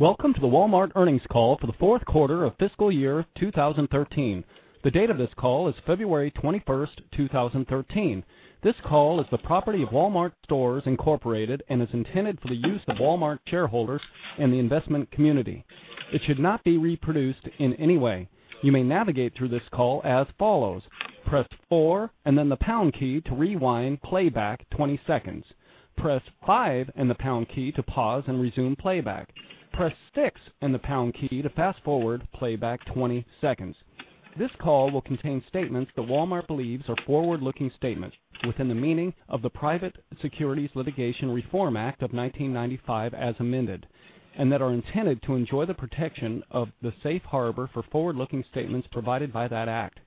Welcome to the Walmart earnings call for the fourth quarter of fiscal year 2013. The date of this call is February 21st, 2013. This call is the property of Wal-Mart Stores, Inc. and is intended for the use of Walmart shareholders and the investment community. It should not be reproduced in any way. You may navigate through this call as follows. Press 4 and then the pound key to rewind playback 20 seconds. Press 5 and the pound key to pause and resume playback. Press 6 and the pound key to fast-forward playback 20 seconds. This call will contain statements that Walmart believes are forward-looking statements within the meaning of the Private Securities Litigation Reform Act of 1995 as amended, and that are intended to enjoy the protection of the safe harbor for forward-looking statements provided by that act.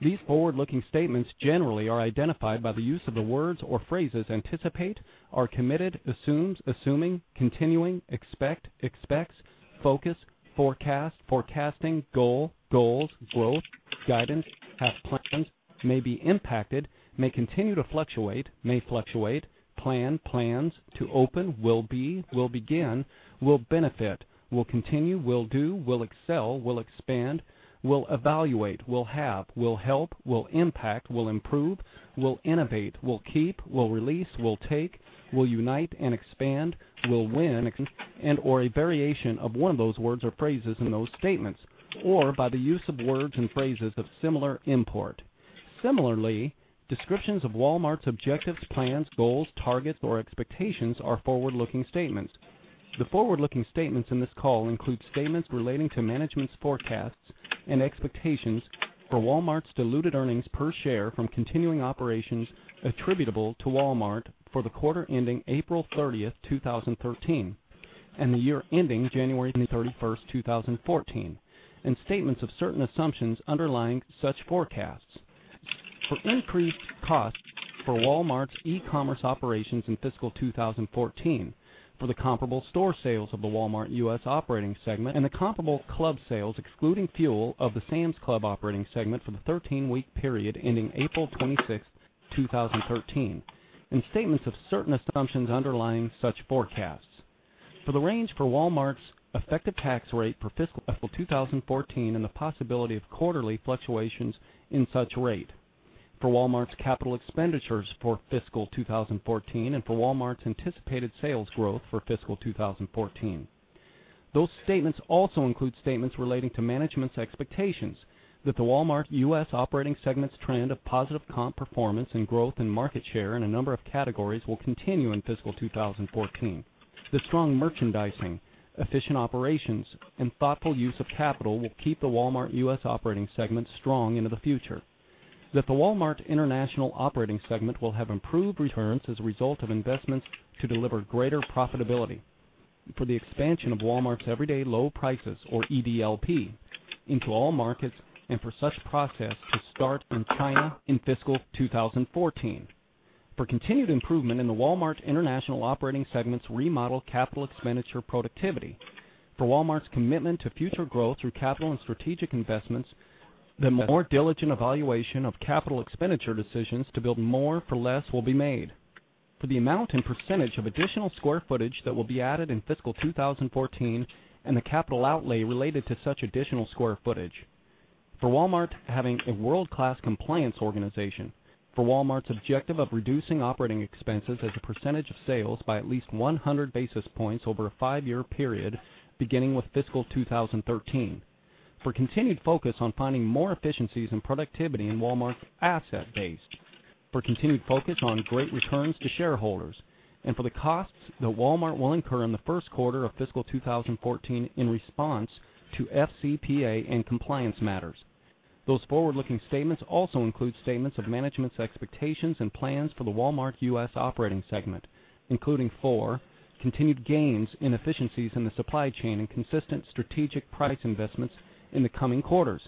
These forward-looking statements generally are identified by the use of the words or phrases anticipate, are committed, assumes, assuming, continuing, expect, expects, focus, forecast, forecasting, goal, goals, growth, guidance, have plans, may be impacted, may continue to fluctuate, may fluctuate, plan, plans, to open, will be, will begin, will benefit, will continue, will do, will excel, will expand, will evaluate, will have, will help, will impact, will improve, will innovate, will keep, will release, will take, will unite and expand, will win, and/or a variation of one of those words or phrases in those statements, or by the use of words and phrases of similar import. Similarly, descriptions of Walmart's objectives, plans, goals, targets, or expectations are forward-looking statements. The forward-looking statements in this call include statements relating to management's forecasts and expectations for Walmart's diluted earnings per share from continuing operations attributable to Walmart for the quarter ending April 30th, 2013 and the year ending January 31st, 2014, and statements of certain assumptions underlying such forecasts. For increased costs for Walmart's e-commerce operations in fiscal 2014, for the comparable store sales of the Walmart U.S. operating segment, and the comparable club sales excluding fuel of the Sam's Club operating segment for the 13-week period ending April 26th, 2013, and statements of certain assumptions underlying such forecasts. For the range for Walmart's effective tax rate for fiscal 2014 and the possibility of quarterly fluctuations in such rate. For Walmart's capital expenditures for fiscal 2014 and for Walmart's anticipated sales growth for fiscal 2014. Those statements also include statements relating to management's expectations that the Walmart U.S. operating segment's trend of positive comp performance and growth and market share in a number of categories will continue in fiscal 2014. That strong merchandising, efficient operations, and thoughtful use of capital will keep the Walmart U.S. operating segment strong into the future. That the Walmart International operating segment will have improved returns as a result of investments to deliver greater profitability. For the expansion of Walmart's Everyday Low Prices, or EDLP, into all markets and for such process to start in China in fiscal 2014. For continued improvement in the Walmart International operating segment's remodel capital expenditure productivity. For Walmart's commitment to future growth through capital and strategic investments, the more diligent evaluation of capital expenditure decisions to build more for less will be made. For the amount and percentage of additional square footage that will be added in fiscal 2014 and the capital outlay related to such additional square footage. For Walmart having a world-class compliance organization. For Walmart's objective of reducing operating expenses as a percentage of sales by at least 100 basis points over a five-year period beginning with fiscal 2013. For continued focus on finding more efficiencies and productivity in Walmart's asset base. For continued focus on great returns to shareholders. For the costs that Walmart will incur in the first quarter of fiscal 2014 in response to FCPA and compliance matters. Those forward-looking statements also include statements of management's expectations and plans for the Walmart U.S. operating segment, including for continued gains in efficiencies in the supply chain and consistent strategic price investments in the coming quarters.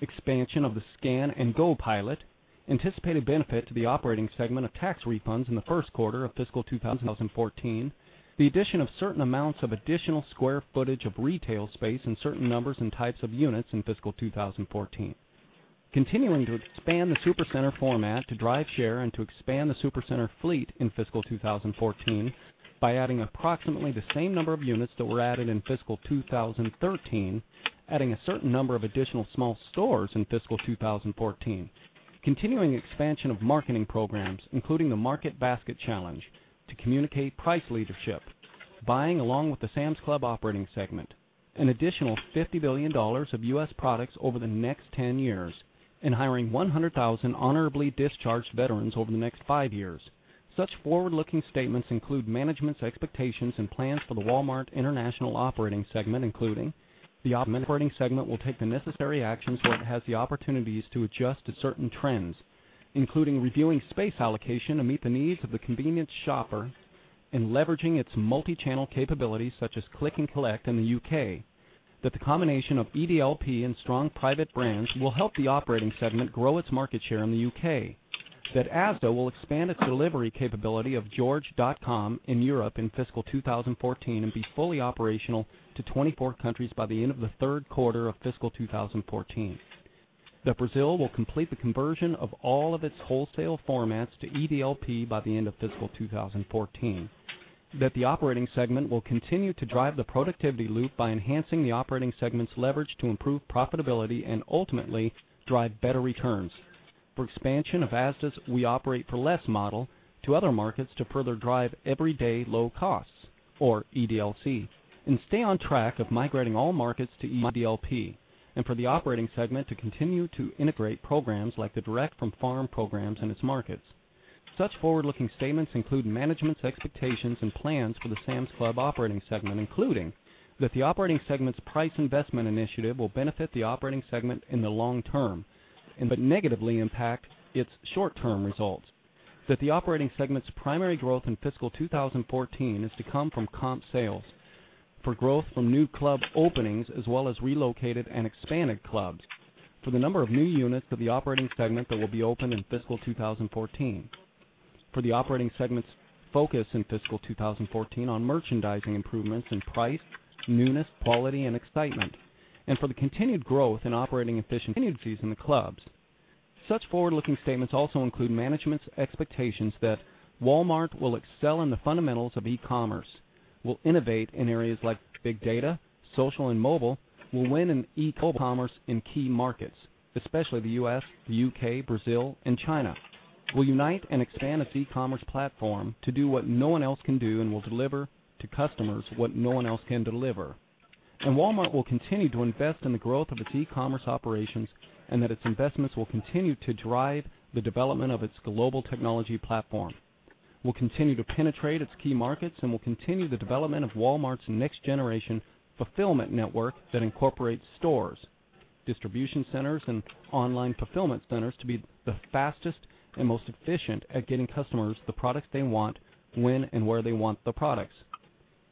Expansion of the Scan & Go pilot. Anticipated benefit to the operating segment of tax refunds in the first quarter of fiscal 2014. The addition of certain amounts of additional square footage of retail space and certain numbers and types of units in fiscal 2014. Continuing to expand the Supercenter format to drive share and to expand the Supercenter fleet in fiscal 2014 by adding approximately the same number of units that were added in fiscal 2013, adding a certain number of additional small stores in fiscal 2014. Continuing expansion of marketing programs, including the Market Basket Challenge, to communicate price leadership. Buying along with the Sam's Club operating segment. An additional $50 billion of U.S. products over the next 10 years. Hiring 100,000 honorably discharged veterans over the next five years. Such forward-looking statements include management's expectations and plans for the Walmart International operating segment, including the operating segment will take the necessary actions where it has the opportunities to adjust to certain trends, including reviewing space allocation to meet the needs of the convenience shopper and leveraging its multichannel capabilities such as Click and Collect in the U.K. That the combination of EDLP and strong private brands will help the operating segment grow its market share in the U.K. That Asda will expand its delivery capability of george.com in Europe in fiscal 2014 and be fully operational to 24 countries by the end of the third quarter of fiscal 2014. That Brazil will complete the conversion of all of its wholesale formats to EDLP by the end of fiscal 2014. That the operating segment will continue to drive the productivity loop by enhancing the operating segment's leverage to improve profitability and ultimately drive better returns. For expansion of Asda's We Operate for Less model to other markets to further drive everyday low costs or EDLC, stay on track of migrating all markets to EDLP, and for the operating segment to continue to integrate programs like the Direct Farm programs in its markets. Such forward-looking statements include management's expectations and plans for the Sam's Club operating segment, including that the operating segment's price investment initiative will benefit the operating segment in the long term but negatively impact its short-term results. That the operating segment's primary growth in fiscal 2014 is to come from comp sales. For growth from new club openings as well as relocated and expanded clubs. For the number of new units of the operating segment that will be opened in fiscal 2014. For the operating segment's focus in fiscal 2014 on merchandising improvements in price, newness, quality, and excitement, and for the continued growth in operating efficiencies in the clubs. Such forward-looking statements also include management's expectations that Walmart will excel in the fundamentals of e-commerce, will innovate in areas like big data, social, and mobile, will win in e-commerce in key markets, especially the U.S., the U.K., Brazil, and China. Will unite and expand its e-commerce platform to do what no one else can do and will deliver to customers what no one else can deliver. Walmart will continue to invest in the growth of its e-commerce operations and that its investments will continue to drive the development of its global technology platform, will continue to penetrate its key markets and will continue the development of Walmart's next generation fulfillment network that incorporates stores, distribution centers, and online fulfillment centers to be the fastest and most efficient at getting customers the products they want, when and where they want the products.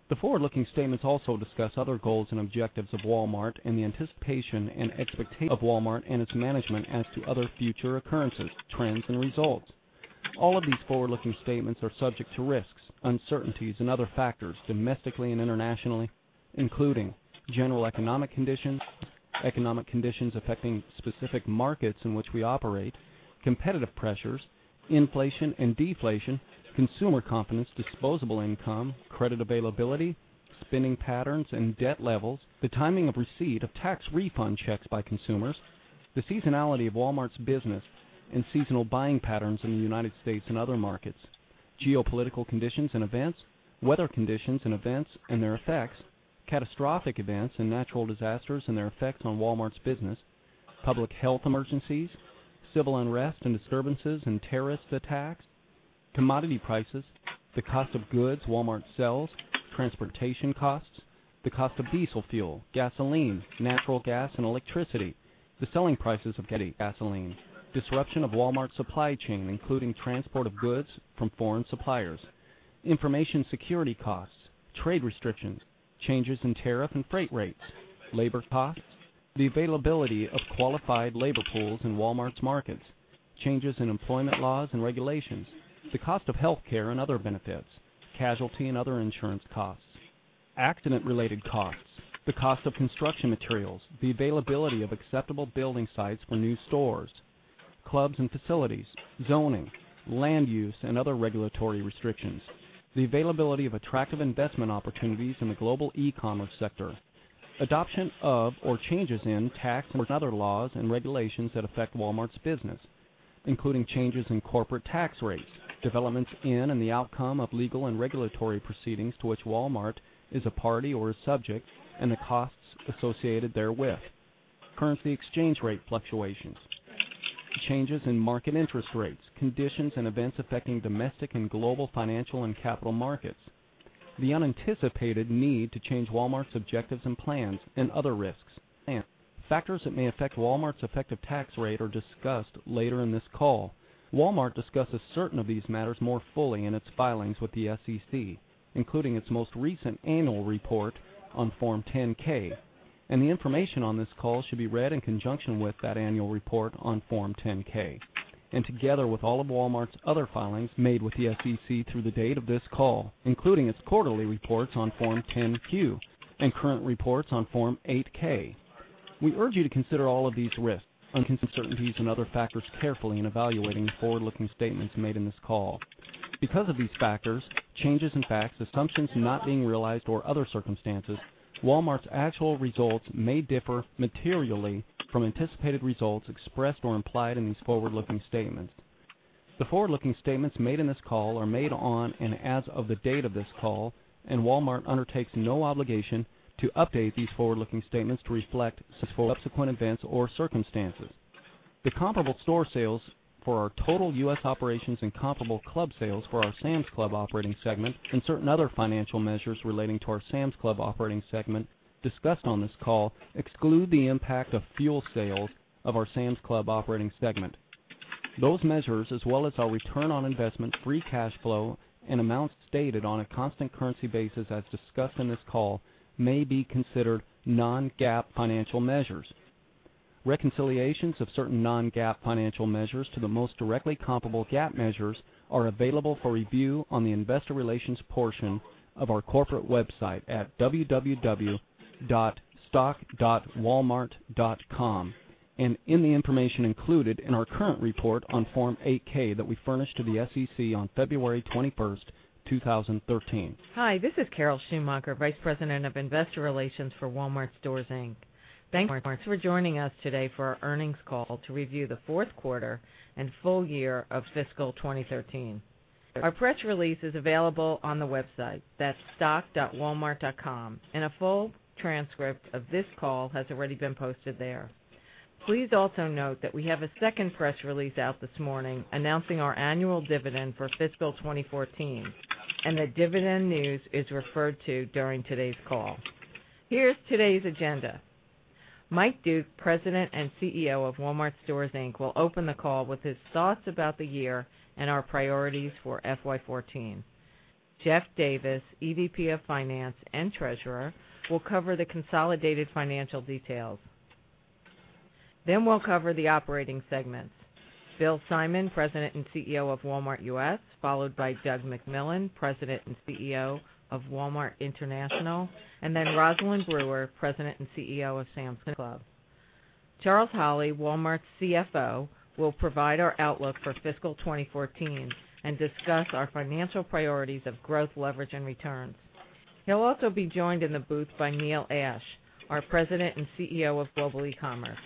The forward-looking statements also discuss other goals and objectives of Walmart and the anticipation and expectation of Walmart and its management as to other future occurrences, trends, and results. All of these forward-looking statements are subject to risks, uncertainties, and other factors domestically and internationally, including general economic conditions, economic conditions affecting specific markets in which we operate, competitive pressures, inflation and deflation, consumer confidence, disposable income, credit availability, spending patterns, and debt levels, the timing of receipt of tax refund checks by consumers, the seasonality of Walmart's business and seasonal buying patterns in the United States and other markets, geopolitical conditions and events, weather conditions and events and their effects, catastrophic events and natural disasters and their effects on Walmart's business, public health emergencies, civil unrest and disturbances and terrorist attacks, commodity prices, the cost of goods Walmart sells, transportation costs, the cost of diesel fuel, gasoline, natural gas, and electricity, the selling prices of gasoline, disruption of Walmart's supply chain, including transport of goods from foreign suppliers, information security costs, trade restrictions, changes in tariff and freight rates, labor costs, the availability of qualified labor pools in Walmart's markets, changes in employment laws and regulations, the cost of healthcare and other benefits, casualty and other insurance costs, accident-related costs, the cost of construction materials, the availability of acceptable building sites for new stores, clubs and facilities, zoning, land use, and other regulatory restrictions, the availability of attractive investment opportunities in the global e-commerce sector, adoption of or changes in tax and other laws and regulations that affect Walmart's business, including changes in corporate tax rates, developments in and the outcome of legal and regulatory proceedings to which Walmart is a party or is subject, and the costs associated therewith, currency exchange rate fluctuations, changes in market interest rates, conditions and events affecting domestic and global financial and capital markets, the unanticipated need to change Walmart's objectives and plans and other risks. Factors that may affect Walmart's effective tax rate are discussed later in this call. Walmart discusses certain of these matters more fully in its filings with the SEC, including its most recent annual report on Form 10-K. The information on this call should be read in conjunction with that annual report on Form 10-K and together with all of Walmart's other filings made with the SEC through the date of this call, including its quarterly reports on Form 10-Q and current reports on Form 8-K. We urge you to consider all of these risks, uncertainties, and other factors carefully in evaluating the forward-looking statements made in this call. Because of these factors, changes in facts, assumptions not being realized or other circumstances, Walmart's actual results may differ materially from anticipated results expressed or implied in these forward-looking statements. The forward-looking statements made in this call are made on and as of the date of this call. Walmart undertakes no obligation to update these forward-looking statements to reflect subsequent events or circumstances. The comparable store sales for our total U.S. operations and comparable club sales for our Sam's Club operating segment and certain other financial measures relating to our Sam's Club operating segment discussed on this call exclude the impact of fuel sales of our Sam's Club operating segment. Those measures, as well as our return on investment, free cash flow, and amounts stated on a constant currency basis as discussed in this call, may be considered non-GAAP financial measures. Reconciliations of certain non-GAAP financial measures to the most directly comparable GAAP measures are available for review on the investor relations portion of our corporate website at www .stock.walmart.com. In the information included in our current report on Form 8-K that we furnished to the SEC on February 21st, 2013. Hi, this is Carol Schumacher, Vice President of Investor Relations for Walmart Stores, Inc. Thanks for joining us today for our earnings call to review the fourth quarter and full year of fiscal 2013. Our press release is available on the website. That's stock.walmart.com. A full transcript of this call has already been posted there. Please also note that we have a second press release out this morning announcing our annual dividend for fiscal 2014. That dividend news is referred to during today's call. Here's today's agenda. Mike Duke, President and CEO of Walmart Stores, Inc., will open the call with his thoughts about the year and our priorities for FY 2014. Jeff Davis, EVP of Finance and Treasurer, will cover the consolidated financial details. We'll cover the operating segments. Bill Simon, President and CEO of Walmart U.S., followed by Doug McMillon, President and CEO of Walmart International, and then Rosalind Brewer, President and CEO of Sam's Club. Charles Holley, Walmart's CFO, will provide our outlook for fiscal 2014 and discuss our financial priorities of growth, leverage, and returns. He'll also be joined in the booth by Neil Ashe, our President and CEO of Global E-commerce.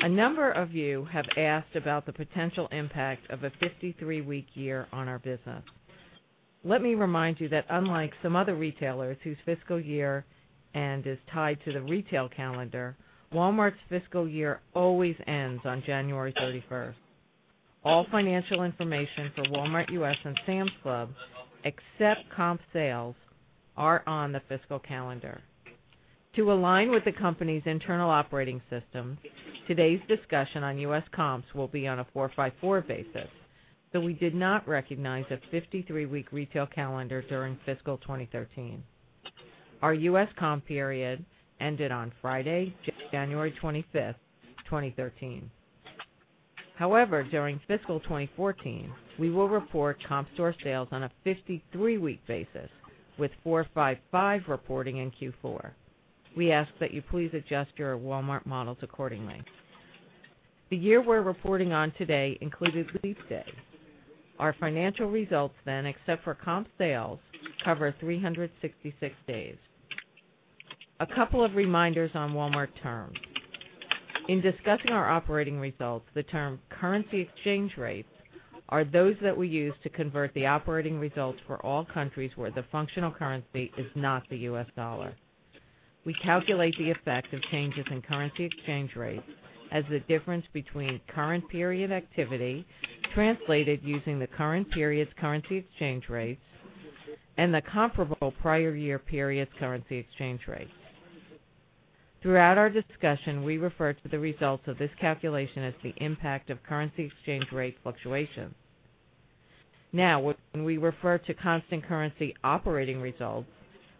A number of you have asked about the potential impact of a 53-week year on our business. Let me remind you that unlike some other retailers whose fiscal year end is tied to the retail calendar, Walmart's fiscal year always ends on January 31st. All financial information for Walmart U.S. and Sam's Club, except comp sales, are on the fiscal calendar. To align with the company's internal operating system, today's discussion on U.S. comps will be on a 4 by 4 basis. We did not recognize a 53-week retail calendar during fiscal 2013. Our U.S. comp period ended on Friday, January 25th, 2013. However, during fiscal 2014, we will report comp store sales on a 53-week basis with 4 by 5 reporting in Q4. We ask that you please adjust your Walmart models accordingly. The year we're reporting on today included leap day. Our financial results then, except for comp sales, cover 366 days. A couple of reminders on Walmart terms. In discussing our operating results, the term currency exchange rates are those that we use to convert the operating results for all countries where the functional currency is not the U.S. dollar. We calculate the effect of changes in currency exchange rates as the difference between current period activity, translated using the current period's currency exchange rates, and the comparable prior year period's currency exchange rates. Throughout our discussion, we refer to the results of this calculation as the impact of currency exchange rate fluctuations. When we refer to constant currency operating results,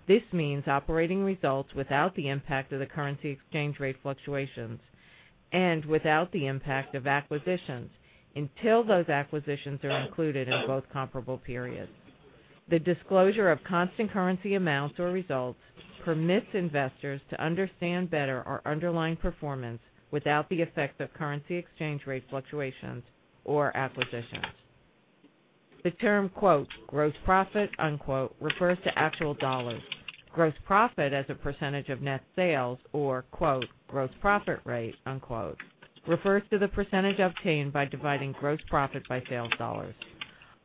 this means operating results without the impact of the currency exchange rate fluctuations and without the impact of acquisitions until those acquisitions are included in both comparable periods. The disclosure of constant currency amounts or results permits investors to understand better our underlying performance without the effect of currency exchange rate fluctuations or acquisitions. The term "gross profit" refers to actual dollars. Gross profit as a percentage of net sales or "gross profit rate" refers to the percentage obtained by dividing gross profit by sales dollars.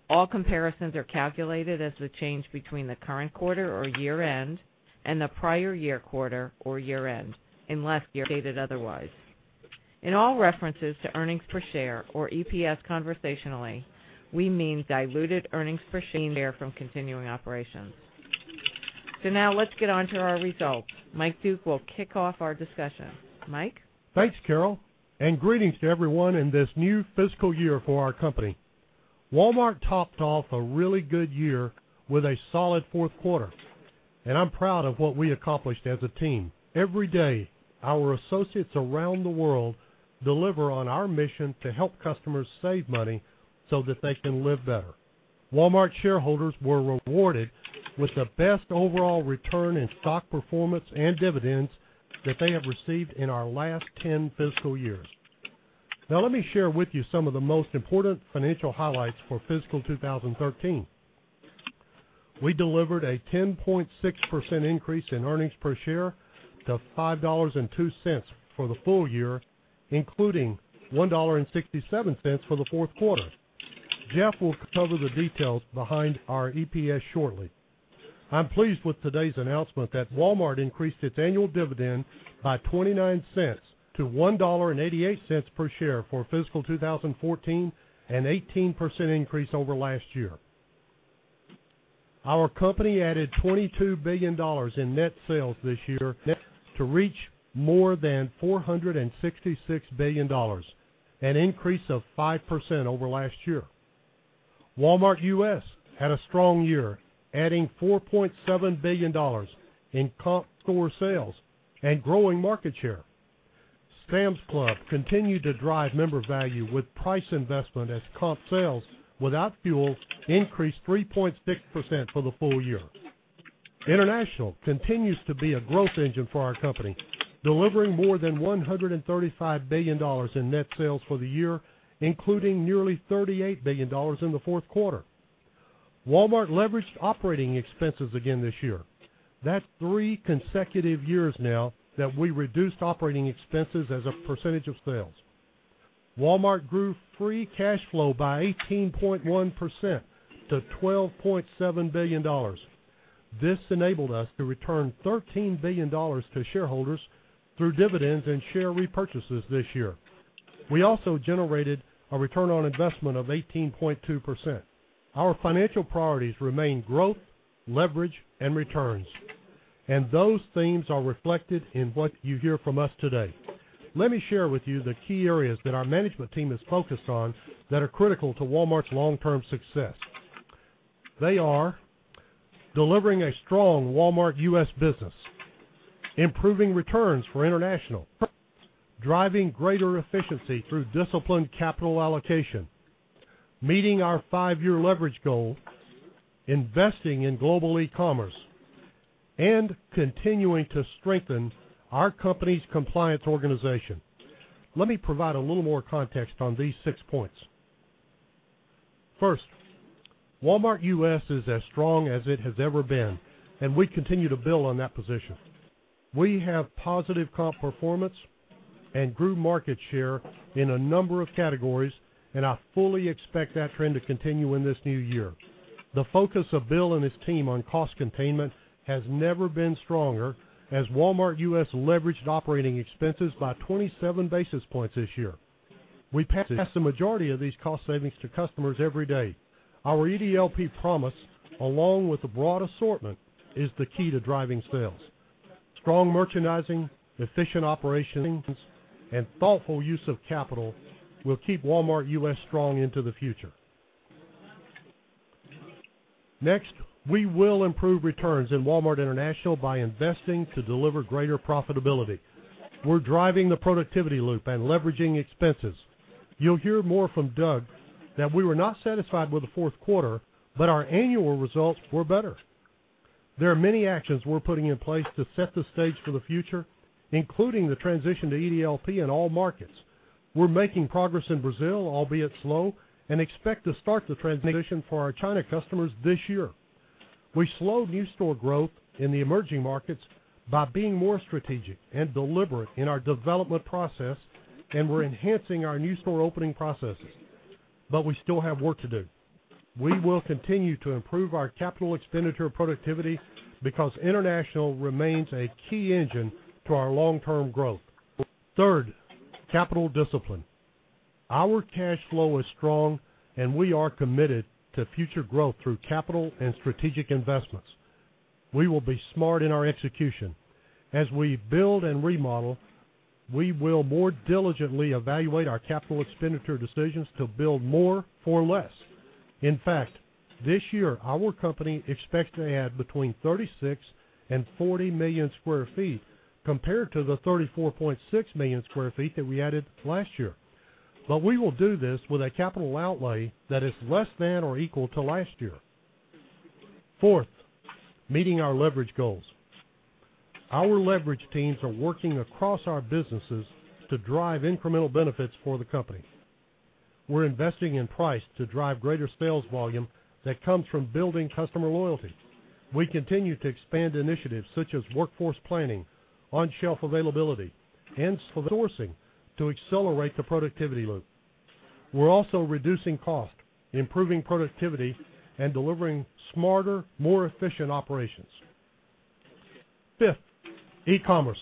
All comparisons are calculated as the change between the current quarter or year-end, and the prior year quarter or year-end, unless stated otherwise. In all references to earnings per share or EPS conversationally, we mean diluted earnings per share from continuing operations. Now let's get onto our results. Mike Duke will kick off our discussion. Mike? Thanks, Carol, and greetings to everyone in this new fiscal year for our company. Walmart topped off a really good year with a solid fourth quarter, and I'm proud of what we accomplished as a team. Every day, our associates around the world deliver on our mission to help customers save money so that they can live better. Walmart shareholders were rewarded with the best overall return in stock performance and dividends that they have received in our last 10 fiscal years. Let me share with you some of the most important financial highlights for fiscal 2013. We delivered a 10.6% increase in earnings per share to $5.02 for the full year, including $1.67 for the fourth quarter. Jeff will cover the details behind our EPS shortly. I'm pleased with today's announcement that Walmart increased its annual dividend by $0.29 to $1.88 per share for fiscal 2014, an 18% increase over last year. Our company added $22 billion in net sales this year to reach more than $466 billion, an increase of 5% over last year. Walmart U.S. had a strong year, adding $4.7 billion in comp store sales and growing market share. Sam's Club continued to drive member value with price investment as comp sales without fuel increased 3.6% for the full year. International continues to be a growth engine for our company, delivering more than $135 billion in net sales for the year, including nearly $38 billion in the fourth quarter. Walmart leveraged operating expenses again this year. That's three consecutive years now that we reduced operating expenses as a percentage of sales. Walmart grew free cash flow by 18.1% to $12.7 billion. This enabled us to return $13 billion to shareholders through dividends and share repurchases this year. We also generated a return on investment of 18.2%. Our financial priorities remain growth, leverage, and returns, and those themes are reflected in what you hear from us today. Let me share with you the key areas that our management team is focused on that are critical to Walmart's long-term success. They are delivering a strong Walmart U.S. business, improving returns for international, driving greater efficiency through disciplined capital allocation, meeting our five-year leverage goal, investing in Global E-commerce, and continuing to strengthen our company's compliance organization. Let me provide a little more context on these six points. First, Walmart U.S. is as strong as it has ever been, and we continue to build on that position. We have positive comp performance and grew market share in a number of categories. I fully expect that trend to continue in this new year. The focus of Bill and his team on cost containment has never been stronger as Walmart U.S. leveraged operating expenses by 27 basis points this year. We passed the majority of these cost savings to customers every day. Our EDLP promise, along with a broad assortment, is the key to driving sales. Strong merchandising, efficient operations, and thoughtful use of capital will keep Walmart U.S. strong into the future. Next, we will improve returns in Walmart International by investing to deliver greater profitability. We're driving the productivity loop and leveraging expenses. You'll hear more from Doug that we were not satisfied with the fourth quarter, but our annual results were better. There are many actions we're putting in place to set the stage for the future, including the transition to EDLP in all markets. We're making progress in Brazil, albeit slow, and expect to start the transition for our China customers this year. We slowed new store growth in the emerging markets by being more strategic and deliberate in our development process, and we're enhancing our new store opening processes. We still have work to do. We will continue to improve our capital expenditure productivity because international remains a key engine to our long-term growth. Third, capital discipline. Our cash flow is strong, and we are committed to future growth through capital and strategic investments. We will be smart in our execution. As we build and remodel, we will more diligently evaluate our capital expenditure decisions to build more for less. In fact, this year, our company expects to add between 36 and 40 million square feet compared to the 34.6 million square feet that we added last year. We will do this with a capital outlay that is less than or equal to last year. Fourth, meeting our leverage goals. Our leverage teams are working across our businesses to drive incremental benefits for the company. We're investing in price to drive greater sales volume that comes from building customer loyalty. We continue to expand initiatives such as workforce planning, on-shelf availability, and sourcing to accelerate the productivity loop. We're also reducing cost, improving productivity, and delivering smarter, more efficient operations. Fifth, e-commerce.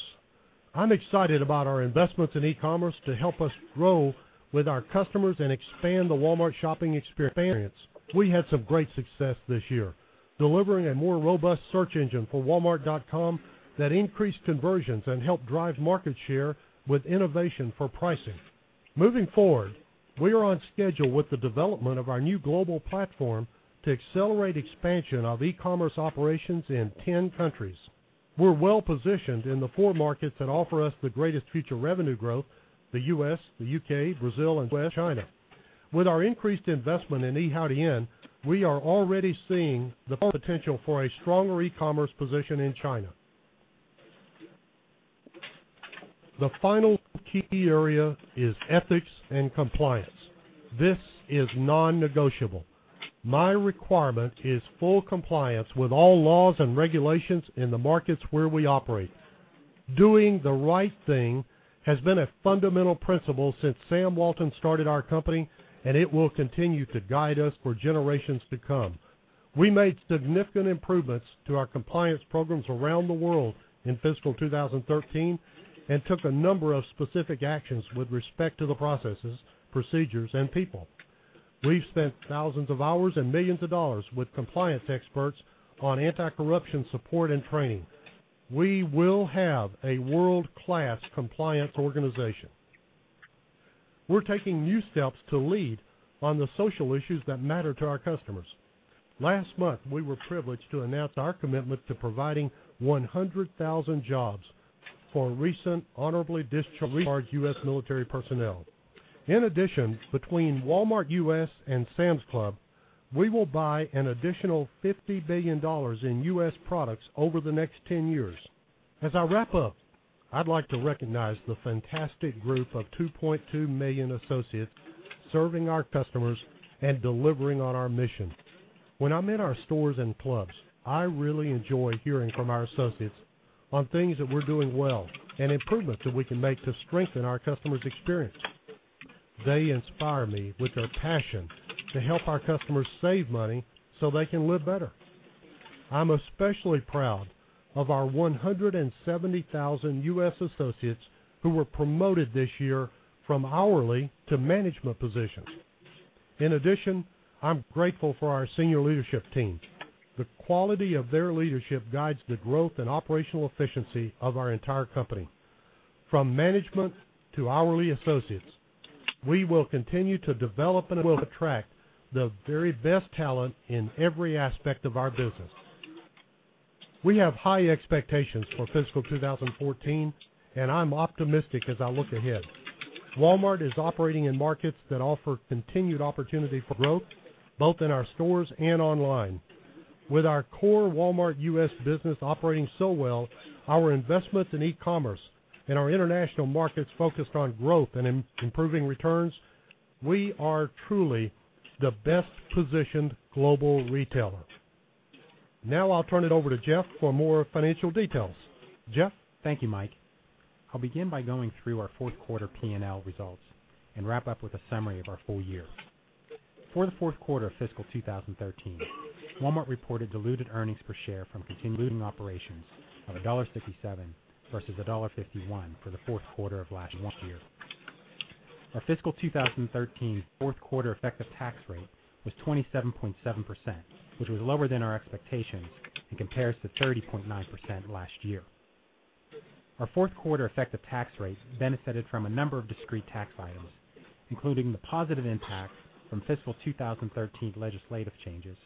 I'm excited about our investments in e-commerce to help us grow with our customers and expand the Walmart shopping experience. We had some great success this year, delivering a more robust search engine for walmart.com that increased conversions and helped drive market share with innovation for pricing. Moving forward, we are on schedule with the development of our new global platform to accelerate expansion of e-commerce operations in 10 countries. We're well-positioned in the four markets that offer us the greatest future revenue growth: the U.S., the U.K., Brazil, and China. With our increased investment in Yihaodian, we are already seeing the potential for a stronger e-commerce position in China. The final key area is ethics and compliance. This is non-negotiable. My requirement is full compliance with all laws and regulations in the markets where we operate. Doing the right thing has been a fundamental principle since Sam Walton started our company, and it will continue to guide us for generations to come. We made significant improvements to our compliance programs around the world in fiscal 2013 and took a number of specific actions with respect to the processes, procedures, and people. We've spent thousands of hours and millions of dollars with compliance experts on anti-corruption support and training. We will have a world-class compliance organization. We're taking new steps to lead on the social issues that matter to our customers. Last month, we were privileged to announce our commitment to providing 100,000 jobs for recent honorably discharged U.S. military personnel. In addition, between Walmart U.S. and Sam's Club, we will buy an additional $50 billion in U.S. products over the next 10 years. As I wrap up, I'd like to recognize the fantastic group of 2.2 million associates serving our customers and delivering on our mission. When I'm in our stores and clubs, I really enjoy hearing from our associates on things that we're doing well and improvements that we can make to strengthen our customers' experience. They inspire me with their passion to help our customers save money so they can live better. I'm especially proud of our 170,000 U.S. associates who were promoted this year from hourly to management positions. In addition, I'm grateful for our senior leadership team. The quality of their leadership guides the growth and operational efficiency of our entire company. From management to hourly associates, we will continue to develop and attract the very best talent in every aspect of our business. We have high expectations for fiscal 2014, and I'm optimistic as I look ahead. Walmart is operating in markets that offer continued opportunity for growth, both in our stores and online. With our core Walmart U.S. business operating so well, our investments in e-commerce and our international markets focused on growth and improving returns, we are truly the best-positioned global retailer. I'll turn it over to Jeff for more financial details. Jeff? Thank you, Mike. I'll begin by going through our fourth quarter P&L results and wrap up with a summary of our full year. For the fourth quarter of fiscal 2013, Walmart reported diluted earnings per share from continuing operations of $1.67 versus $1.51 for the fourth quarter of last year. Our fiscal 2013 fourth-quarter effective tax rate was 27.7%, which was lower than our expectations and compares to 30.9% last year. Our fourth-quarter effective tax rate benefited from a number of discrete tax items, including the positive impact from fiscal 2013 legislative changes,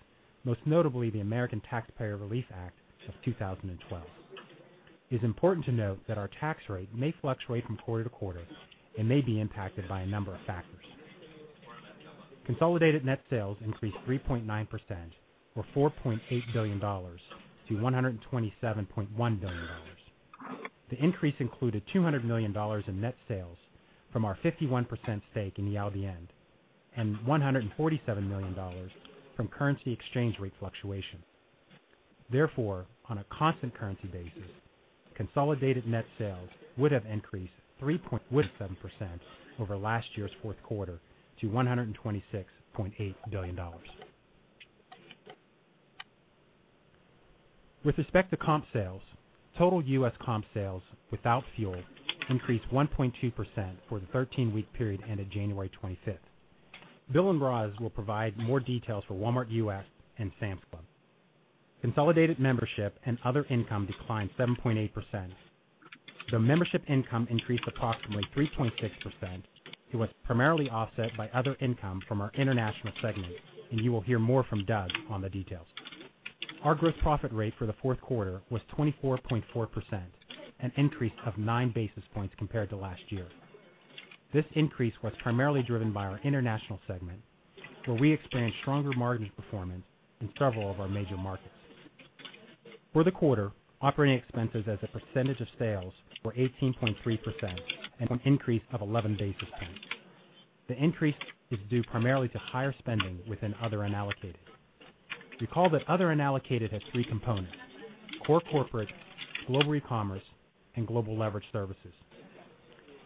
most notably the American Taxpayer Relief Act of 2012. It is important to note that our tax rate may fluctuate from quarter to quarter and may be impacted by a number of factors. Consolidated net sales increased 3.9%, or $4.8 billion, to $127.1 billion. The increase included $200 million in net sales from our 51% stake in Yihaodian and $147 million from currency exchange rate fluctuation. Therefore, on a constant currency basis, consolidated net sales would have increased 3.7% over last year's fourth quarter to $126.8 billion. With respect to comp sales, total U.S. comp sales without fuel increased 1.2% for the 13-week period ended January 25th. Bill and Roz will provide more details for Walmart U.S. and Sam's Club. Consolidated membership and other income declined 7.8%. The membership income increased approximately 3.6%. It was primarily offset by other income from our international segment, and you will hear more from Doug on the details. Our gross profit rate for the fourth quarter was 24.4%, an increase of nine basis points compared to last year. This increase was primarily driven by our international segment, where we experienced stronger margin performance in several of our major markets. For the quarter, operating expenses as a percentage of sales were 18.3%, an increase of 11 basis points. The increase is due primarily to higher spending within other unallocated. Recall that other unallocated has three components, core corporate, Global E-commerce, and global leverage services.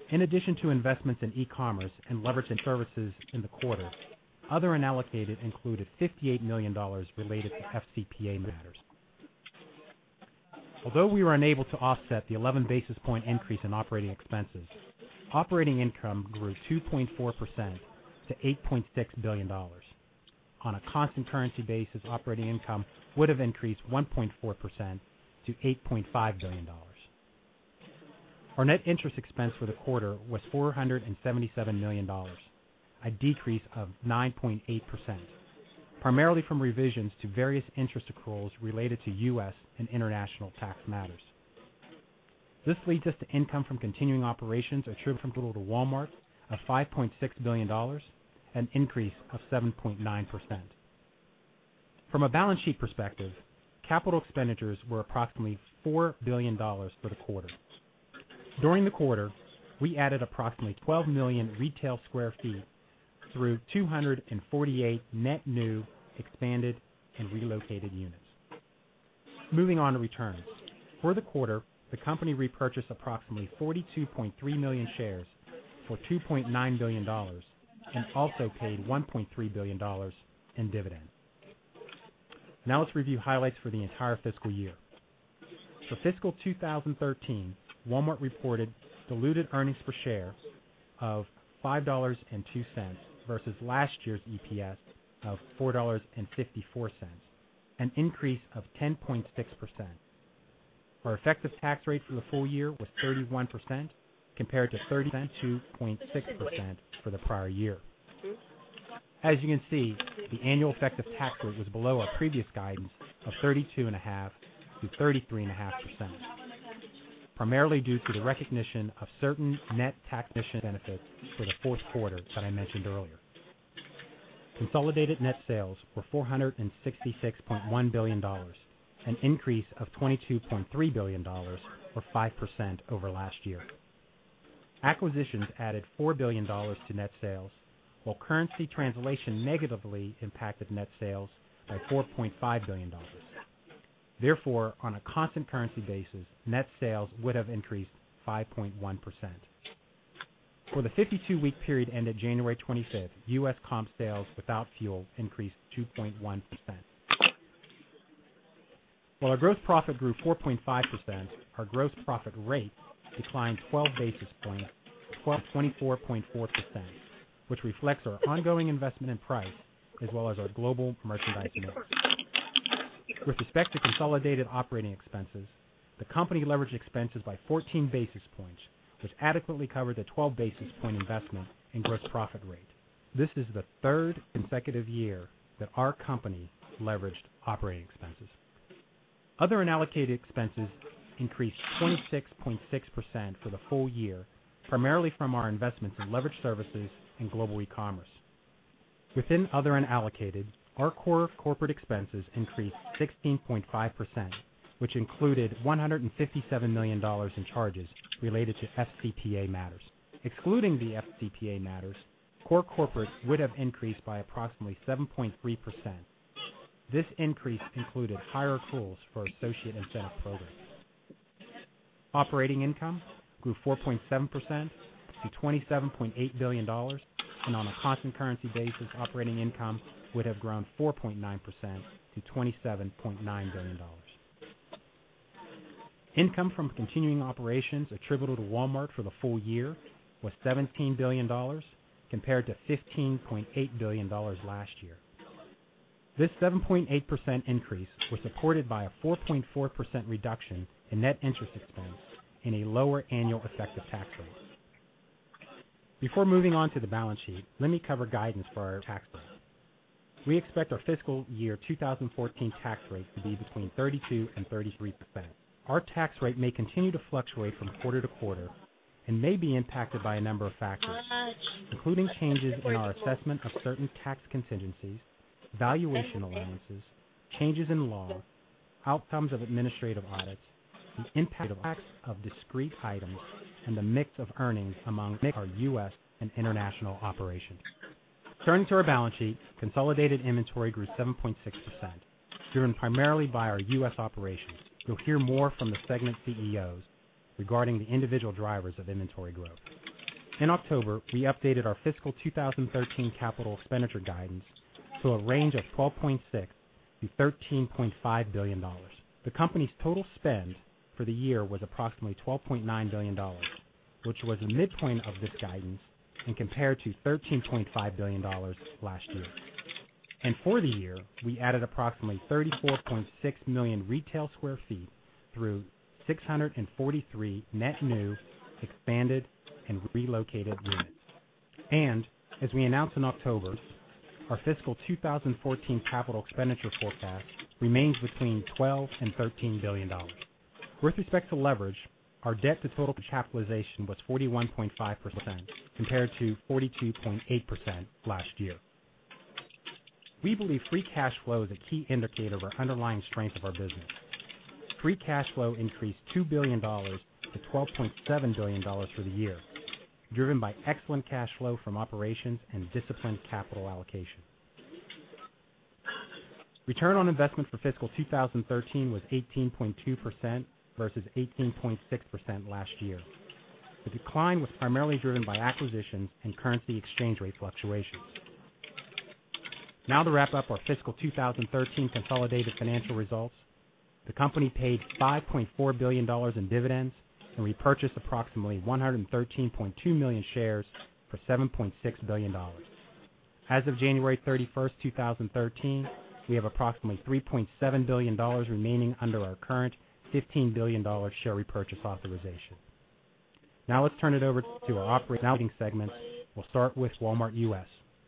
In addition to investments in e-commerce and leverage services in the quarter, other unallocated included $58 million related to FCPA matters. Although we were unable to offset the 11-basis-point increase in operating expenses, operating income grew 2.4% to $8.6 billion. On a constant currency basis, operating income would have increased 1.4% to $8.5 billion. Our net interest expense for the quarter was $477 million, a decrease of 9.8%, primarily from revisions to various interest accruals related to U.S. and international tax matters. This leads us to income from continuing operations attributable to Walmart of $5.6 billion, an increase of 7.9%. From a balance sheet perspective, capital expenditures were approximately $4 billion for the quarter. During the quarter, we added approximately 12 million retail square feet through 248 net new, expanded, and relocated units. Moving on to returns. For the quarter, the company repurchased approximately 42.3 million shares for $2.9 billion and also paid $1.3 billion in dividends. Now let's review highlights for the entire fiscal year. For fiscal 2013, Walmart reported diluted earnings per share of $5.02 versus last year's EPS of $4.54, an increase of 10.6%. Our effective tax rate for the full year was 31% compared to 32.6% for the prior year. As you can see, the annual effective tax rate was below our previous guidance of 32.5%-33.5%, primarily due to the recognition of certain net tax benefits for the fourth quarter that I mentioned earlier. Consolidated net sales were $466.1 billion, an increase of $22.3 billion, or 5% over last year. Acquisitions added $4 billion to net sales while currency translation negatively impacted net sales by $4.5 billion. On a constant currency basis, net sales would have increased 5.1%. For the 52-week period ended January 25th, U.S. comp sales without fuel increased 2.1%. Our gross profit grew 4.5%, our gross profit rate declined 12 basis points to 24.4%, which reflects our ongoing investment in price as well as our global merchandising efforts. With respect to consolidated operating expenses, the company leveraged expenses by 14 basis points, which adequately covered the 12 basis point investment in gross profit rate. This is the third consecutive year that our company leveraged operating expenses. Other unallocated expenses increased 26.6% for the full year, primarily from our investments in leverage services and Global E-commerce. Within other unallocated, our core corporate expenses increased 16.5%, which included $157 million in charges related to FCPA matters. Excluding the FCPA matters, core corporate would have increased by approximately 7.3%. This increase included higher pools for associate incentive programs. Operating income grew 4.7% to $27.8 billion, on a constant currency basis, operating income would have grown 4.9% to $27.9 billion. Income from continuing operations attributable to Walmart for the full year was $17 billion compared to $15.8 billion last year. This 7.8% increase was supported by a 4.4% reduction in net interest expense and a lower annual effective tax rate. Before moving on to the balance sheet, let me cover guidance for our tax rate. We expect our fiscal year 2014 tax rate to be between 32%-33%. Our tax rate may continue to fluctuate from quarter to quarter and may be impacted by a number of factors, including changes in our assessment of certain tax contingencies, valuation allowances, changes in law, outcomes of administrative audits, the impact of discrete items, and the mix of earnings among our U.S. and international operations. Turning to our balance sheet, consolidated inventory grew 7.6%, driven primarily by our U.S. operations. You'll hear more from the segment CEOs regarding the individual drivers of inventory growth. In October, we updated our fiscal 2013 capital expenditure guidance to a range of $12.6 billion-$13.5 billion. The company's total spend for the year was approximately $12.9 billion, which was the midpoint of this guidance and compared to $13.5 billion last year. For the year, we added approximately 34.6 million retail square feet through 643 net new, expanded, and relocated units. As we announced in October, our fiscal 2014 capital expenditure forecast remains between $12 billion and $13 billion. With respect to leverage, our debt to total capitalization was 41.5% compared to 42.8% last year. We believe free cash flow is a key indicator of our underlying strength of our business. Free cash flow increased $2 billion to $12.7 billion for the year, driven by excellent cash flow from operations and disciplined capital allocation. Return on investment for fiscal 2013 was 18.2% versus 18.6% last year. The decline was primarily driven by acquisitions and currency exchange rate fluctuations. To wrap up our fiscal 2013 consolidated financial results, the company paid $5.4 billion in dividends and repurchased approximately 113.2 million shares for $7.6 billion. As of January 31st, 2013, we have approximately $3.7 billion remaining under our current $15 billion share repurchase authorization. Let's turn it over to our operating segments. We'll start with Walmart U.S.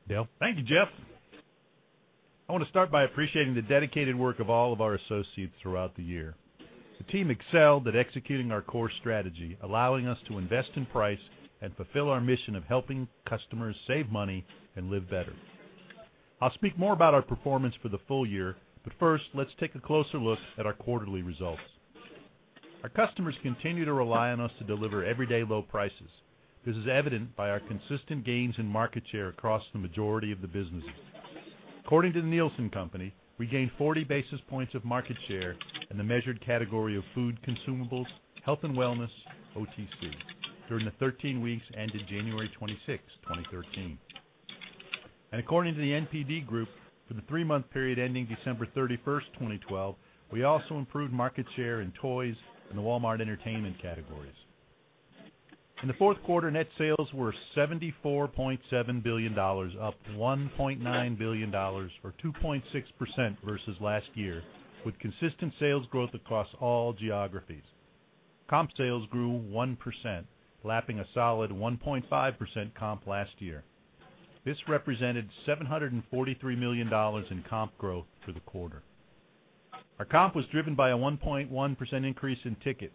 Dale? Thank you, Jeff. I want to start by appreciating the dedicated work of all of our associates throughout the year. The team excelled at executing our core strategy, allowing us to invest in price and fulfill our mission of helping customers save money and live better. I'll speak more about our performance for the full year, but first, let's take a closer look at our quarterly results. Our customers continue to rely on us to deliver everyday low prices. This is evident by our consistent gains in market share across the majority of the businesses. According to Nielsen, we gained 40 basis points of market share in the measured category of food consumables, health and wellness, OTC during the 13 weeks ended January 26th, 2013. According to The NPD Group, for the three-month period ending December 31st, 2012, we also improved market share in toys and the Walmart entertainment categories. In the fourth quarter, net sales were $74.7 billion, up $1.9 billion, or 2.6% versus last year, with consistent sales growth across all geographies. Comp sales grew 1%, lapping a solid 1.5% comp last year. This represented $743 million in comp growth for the quarter. Our comp was driven by a 1.1% increase in ticket.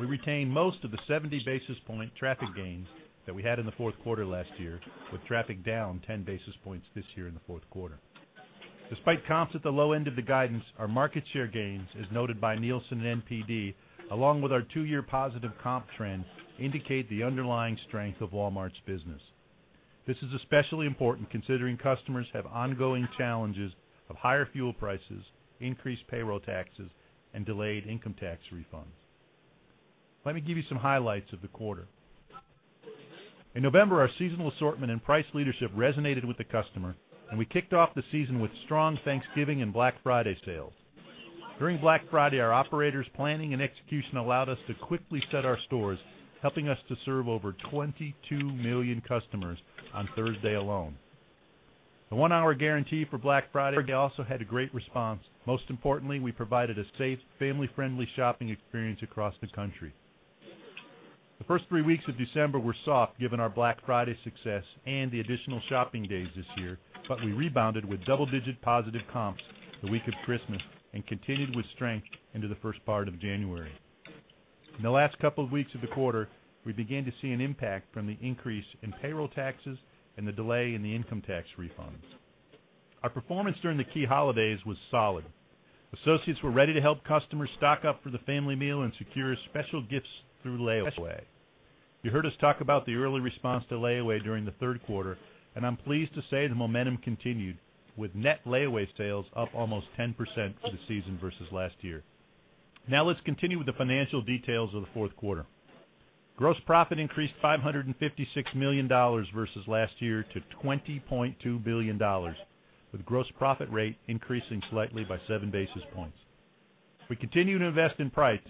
We retained most of the 70 basis point traffic gains that we had in the fourth quarter last year, with traffic down 10 basis points this year in the fourth quarter. Despite comps at the low end of the guidance, our market share gains, as noted by Nielsen and NPD, along with our two-year positive comp trend, indicate the underlying strength of Walmart's business. This is especially important considering customers have ongoing challenges of higher fuel prices, increased payroll taxes, and delayed income tax refunds. Let me give you some highlights of the quarter. In November, our seasonal assortment and price leadership resonated with the customer. We kicked off the season with strong Thanksgiving and Black Friday sales. During Black Friday, our operators' planning and execution allowed us to quickly set our stores, helping us to serve over 22 million customers on Thursday alone. The one-hour guarantee for Black Friday also had a great response. Most importantly, we provided a safe, family-friendly shopping experience across the country. The first three weeks of December were soft given our Black Friday success and the additional shopping days this year. We rebounded with double-digit positive comps the week of Christmas and continued with strength into the first part of January. In the last couple of weeks of the quarter, we began to see an impact from the increase in payroll taxes and the delay in the income tax refunds. Our performance during the key holidays was solid. Associates were ready to help customers stock up for the family meal and secure special gifts through Layaway. You heard us talk about the early response to Layaway during the third quarter. I'm pleased to say the momentum continued, with net Layaway sales up almost 10% for the season versus last year. Now let's continue with the financial details of the fourth quarter. Gross profit increased $556 million versus last year to $20.2 billion, with gross profit rate increasing slightly by seven basis points. We continue to invest in price.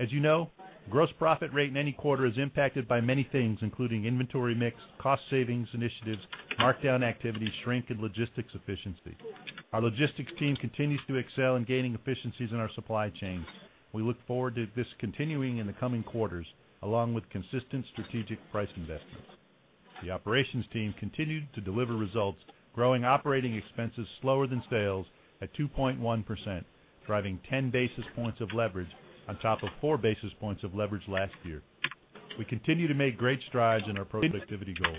As you know, gross profit rate in any quarter is impacted by many things, including inventory mix, cost savings initiatives, markdown activity, shrink, and logistics efficiency. Our logistics team continues to excel in gaining efficiencies in our supply chain. We look forward to this continuing in the coming quarters, along with consistent strategic price investments. The operations team continued to deliver results, growing operating expenses slower than sales at 2.1%, driving 10 basis points of leverage on top of four basis points of leverage last year. We continue to make great strides in our productivity goals.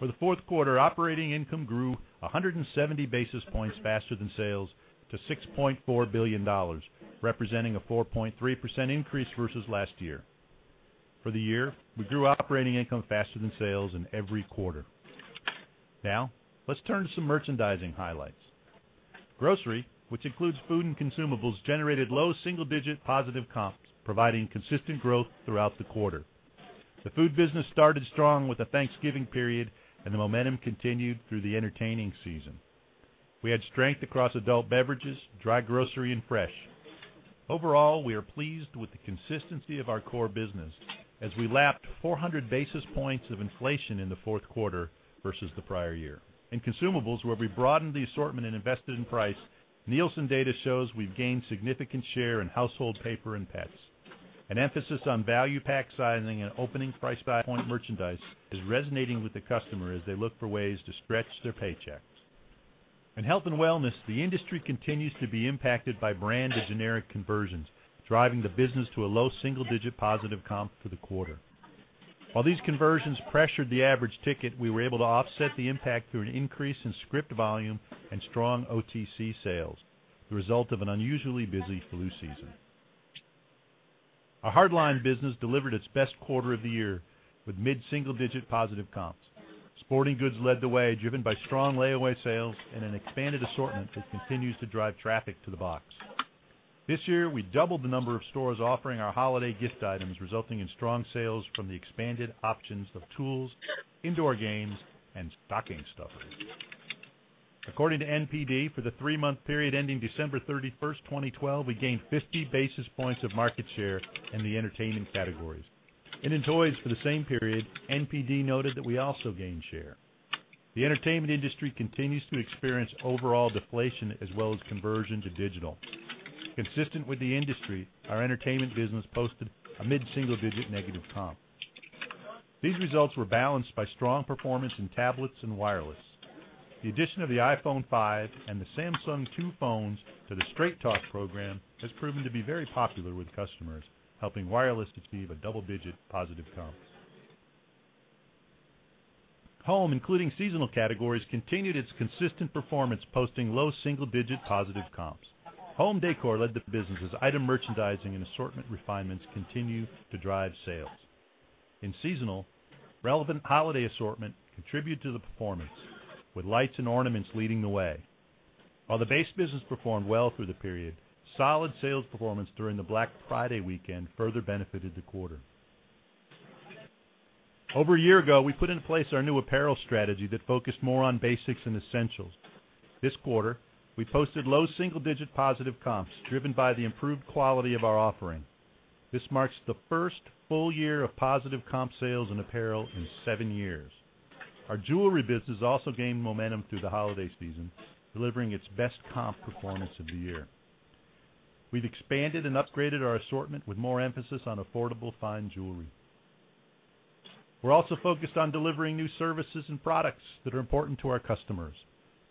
For the fourth quarter, operating income grew 170 basis points faster than sales to $6.4 billion, representing a 4.3% increase versus last year. For the year, we grew operating income faster than sales in every quarter. Now, let's turn to some merchandising highlights. Grocery, which includes food and consumables, generated low single-digit positive comps, providing consistent growth throughout the quarter. The food business started strong with the Thanksgiving period. The momentum continued through the entertaining season. We had strength across adult beverages, dry grocery, and fresh. Overall, we are pleased with the consistency of our core business as we lapped 400 basis points of inflation in the fourth quarter versus the prior year. In consumables, where we broadened the assortment and invested in price, Nielsen data shows we've gained significant share in household paper and pets. An emphasis on value pack sizing and opening price point merchandise is resonating with the customer as they look for ways to stretch their paychecks. In health and wellness, the industry continues to be impacted by brand to generic conversions, driving the business to a low single-digit positive comp for the quarter. While these conversions pressured the average ticket, we were able to offset the impact through an increase in script volume and strong OTC sales, the result of an unusually busy flu season. Our hardline business delivered its best quarter of the year with mid-single-digit positive comps. Sporting goods led the way, driven by strong Layaway sales and an expanded assortment that continues to drive traffic to the box. This year, we doubled the number of stores offering our holiday gift items, resulting in strong sales from the expanded options of tools, indoor games, and stocking stuffers. According to NPD, for the three-month period ending December 31st, 2012, we gained 50 basis points of market share in the entertainment categories. In toys, for the same period, NPD noted that we also gained share. The entertainment industry continues to experience overall deflation as well as conversion to digital. Consistent with the industry, our entertainment business posted a mid-single-digit negative comp. These results were balanced by strong performance in tablets and wireless. The addition of the iPhone 5 and the Samsung two phones to the Straight Talk program has proven to be very popular with customers, helping wireless achieve a double-digit positive comp. Home, including seasonal categories, continued its consistent performance, posting low single-digit positive comps. Home decor led the business as item merchandising and assortment refinements continue to drive sales. In seasonal, relevant holiday assortment contributed to the performance, with lights and ornaments leading the way. While the base business performed well through the period, solid sales performance during the Black Friday weekend further benefited the quarter. Over a year ago, we put in place our new apparel strategy that focused more on basics and essentials. This quarter, we posted low single-digit positive comps driven by the improved quality of our offering. This marks the first full year of positive comp sales in apparel in seven years. Our jewelry business also gained momentum through the holiday season, delivering its best comp performance of the year. We've expanded and upgraded our assortment with more emphasis on affordable fine jewelry. We're also focused on delivering new services and products that are important to our customers.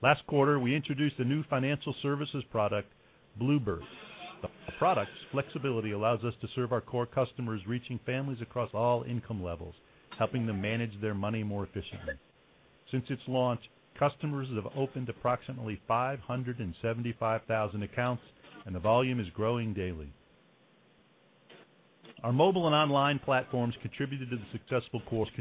Last quarter, we introduced a new financial services product, Bluebird. The product's flexibility allows us to serve our core customers, reaching families across all income levels, helping them manage their money more efficiently. Since its launch, customers have opened approximately 575,000 accounts, and the volume is growing daily. Our mobile and online platforms contributed to the successful quarter.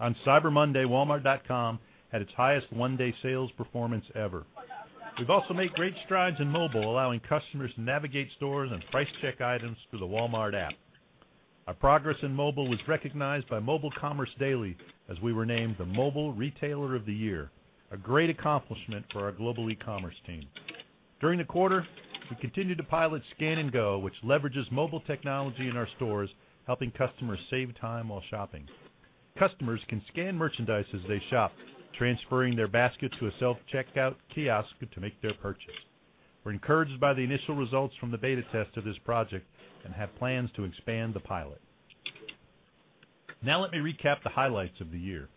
On Cyber Monday, walmart.com had its highest one-day sales performance ever. We've also made great strides in mobile, allowing customers to navigate stores and price check items through the Walmart app. Our progress in mobile was recognized by Mobile Commerce Daily as we were named the Mobile Retailer of the Year, a great accomplishment for our Global E-commerce team. During the quarter, we continued to pilot Scan & Go, which leverages mobile technology in our stores, helping customers save time while shopping. Customers can scan merchandise as they shop, transferring their basket to a self-checkout kiosk to make their purchase. We're encouraged by the initial results from the beta test of this project and have plans to expand the pilot. Now let me recap the highlights of the year.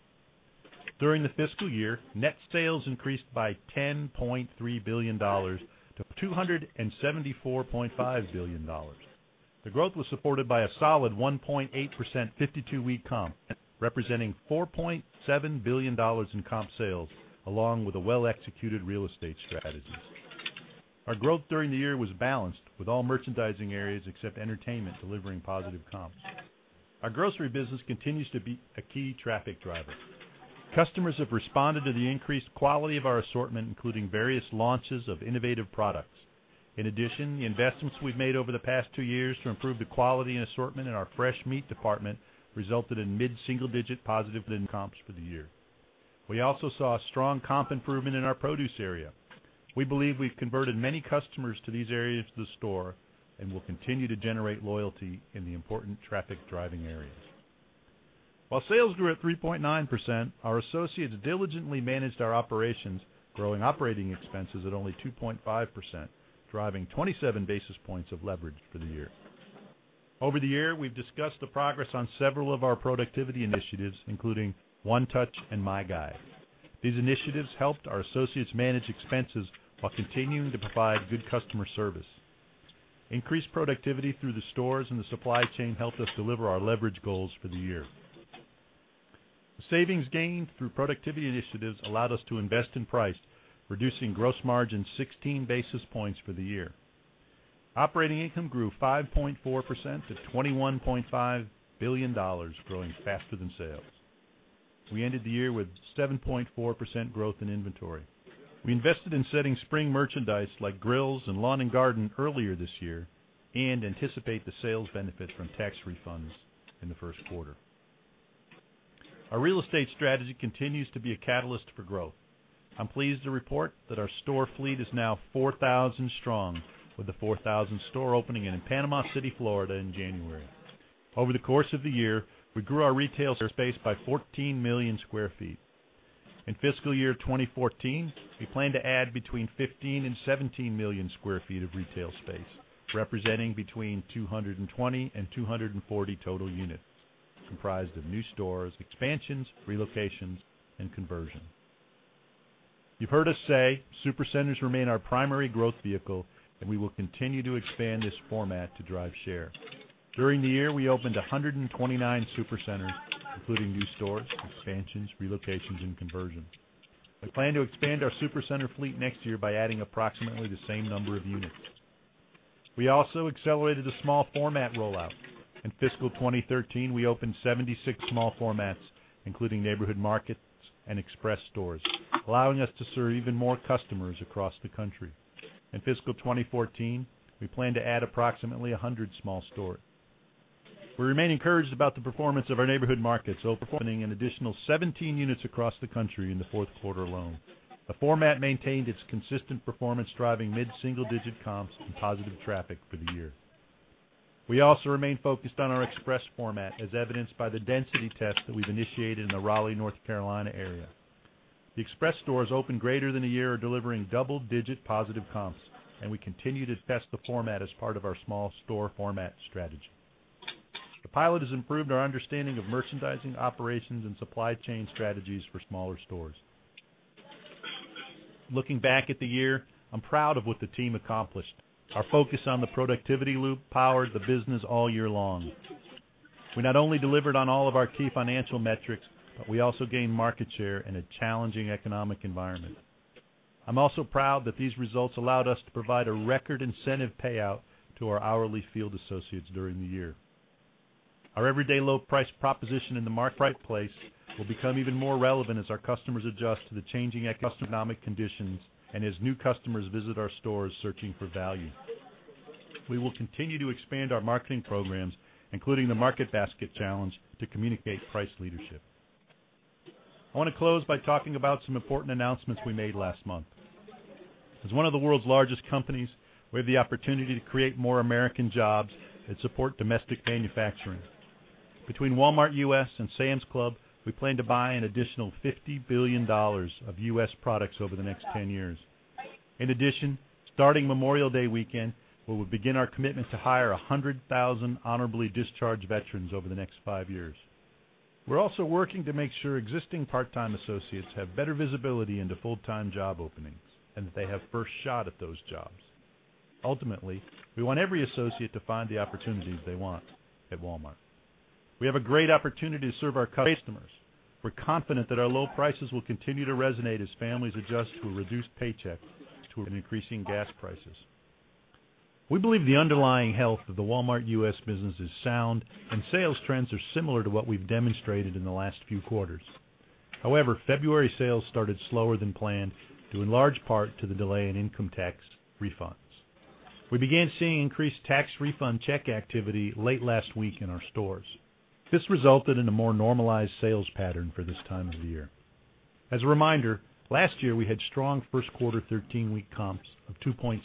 During the fiscal year, net sales increased by $10.3 billion to $274.5 billion. The growth was supported by a solid 1.8% 52-week comp, representing $4.7 billion in comp sales along with a well-executed real estate strategy. Our growth during the year was balanced, with all merchandising areas except entertainment delivering positive comps. Our grocery business continues to be a key traffic driver. Customers have responded to the increased quality of our assortment, including various launches of innovative products. In addition, the investments we've made over the past two years to improve the quality and assortment in our fresh meat department resulted in mid-single-digit positive comps for the year. We also saw a strong comp improvement in our produce area. We believe we've converted many customers to these areas of the store and will continue to generate loyalty in the important traffic-driving areas. While sales grew at 3.9%, our associates diligently managed our operations, growing operating expenses at only 2.5%, driving 27 basis points of leverage for the year. Over the year, we've discussed the progress on several of our productivity initiatives, including One Touch and MyGuide. These initiatives helped our associates manage expenses while continuing to provide good customer service. Increased productivity through the stores and the supply chain helped us deliver our leverage goals for the year. The savings gained through productivity initiatives allowed us to invest in price, reducing gross margin 16 basis points for the year. Operating income grew 5.4% to $21.5 billion, growing faster than sales. We ended the year with 7.4% growth in inventory. We invested in setting spring merchandise like grills and lawn and garden earlier this year and anticipate the sales benefit from tax refunds in the first quarter. Our real estate strategy continues to be a catalyst for growth. I'm pleased to report that our store fleet is now 4,000 strong with the 4,000th store opening in Panama City, Florida in January. Over the course of the year, we grew our retail space by 14 million square feet. In fiscal year 2014, we plan to add between 15 and 17 million square feet of retail space, representing between 220 and 240 total units comprised of new stores, expansions, relocations, and conversions. You've heard us say Supercenters remain our primary growth vehicle, and we will continue to expand this format to drive share. During the year, we opened 129 Supercenters, including new stores, expansions, relocations, and conversions. We plan to expand our Supercenter fleet next year by adding approximately the same number of units. We also accelerated the small format rollout. In fiscal 2013, we opened 76 small formats, including Neighborhood Markets and Express stores, allowing us to serve even more customers across the country. In fiscal 2014, we plan to add approximately 100 small stores. We remain encouraged about the performance of our Neighborhood Markets, opening an additional 17 units across the country in the fourth quarter alone. The format maintained its consistent performance, driving mid-single-digit comps and positive traffic for the year. We also remain focused on our Express format, as evidenced by the density test that we've initiated in the Raleigh, North Carolina area. The Express stores opened greater than a year are delivering double-digit positive comps, and we continue to test the format as part of our small store format strategy. The pilot has improved our understanding of merchandising operations and supply chain strategies for smaller stores. Looking back at the year, I'm proud of what the team accomplished. Our focus on the productivity loop powered the business all year long. We not only delivered on all of our key financial metrics, but we also gained market share in a challenging economic environment. I'm also proud that these results allowed us to provide a record incentive payout to our hourly field associates during the year. Our everyday low price proposition in the marketplace will become even more relevant as our customers adjust to the changing economic conditions and as new customers visit our stores searching for value. We will continue to expand our marketing programs, including the Market Basket Challenge, to communicate price leadership. I want to close by talking about some important announcements we made last month. As one of the world's largest companies, we have the opportunity to create more American jobs and support domestic manufacturing. Between Walmart U.S. and Sam's Club, we plan to buy an additional $50 billion of U.S. products over the next 10 years. In addition, starting Memorial Day weekend, we will begin our commitment to hire 100,000 honorably discharged veterans over the next five years. We're also working to make sure existing part-time associates have better visibility into full-time job openings, and that they have first shot at those jobs. Ultimately, we want every associate to find the opportunities they want at Walmart. We have a great opportunity to serve our customers. We're confident that our low prices will continue to resonate as families adjust to a reduced paycheck to increasing gas prices. We believe the underlying health of the Walmart U.S. business is sound, and sales trends are similar to what we've demonstrated in the last few quarters. However, February sales started slower than planned due, in large part, to the delay in income tax refunds. We began seeing increased tax refund check activity late last week in our stores. This resulted in a more normalized sales pattern for this time of year. As a reminder, last year, we had strong first quarter 13-week comps of 2.6%.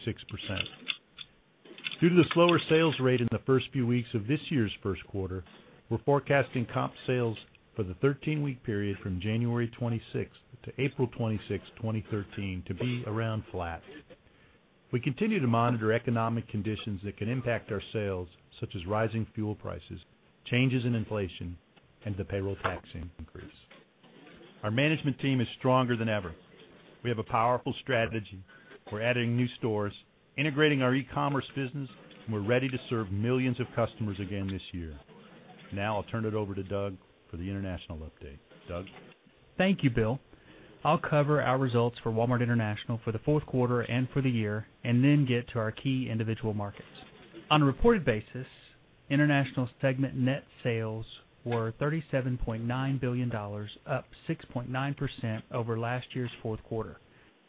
Due to the slower sales rate in the first few weeks of this year's first quarter, we're forecasting comp sales for the 13-week period from January 26th to April 26, 2013, to be around flat. We continue to monitor economic conditions that could impact our sales, such as rising fuel prices, changes in inflation, and the payroll tax increase. Our management team is stronger than ever. We have a powerful strategy. We're adding new stores, integrating our e-commerce business, and we're ready to serve millions of customers again this year. Now I'll turn it over to Doug for the international update. Doug? Thank you, Bill. I'll cover our results for Walmart International for the fourth quarter and for the year. Then get to our key individual markets. On a reported basis, international segment net sales were $37.9 billion, up 6.9% over last year's fourth quarter.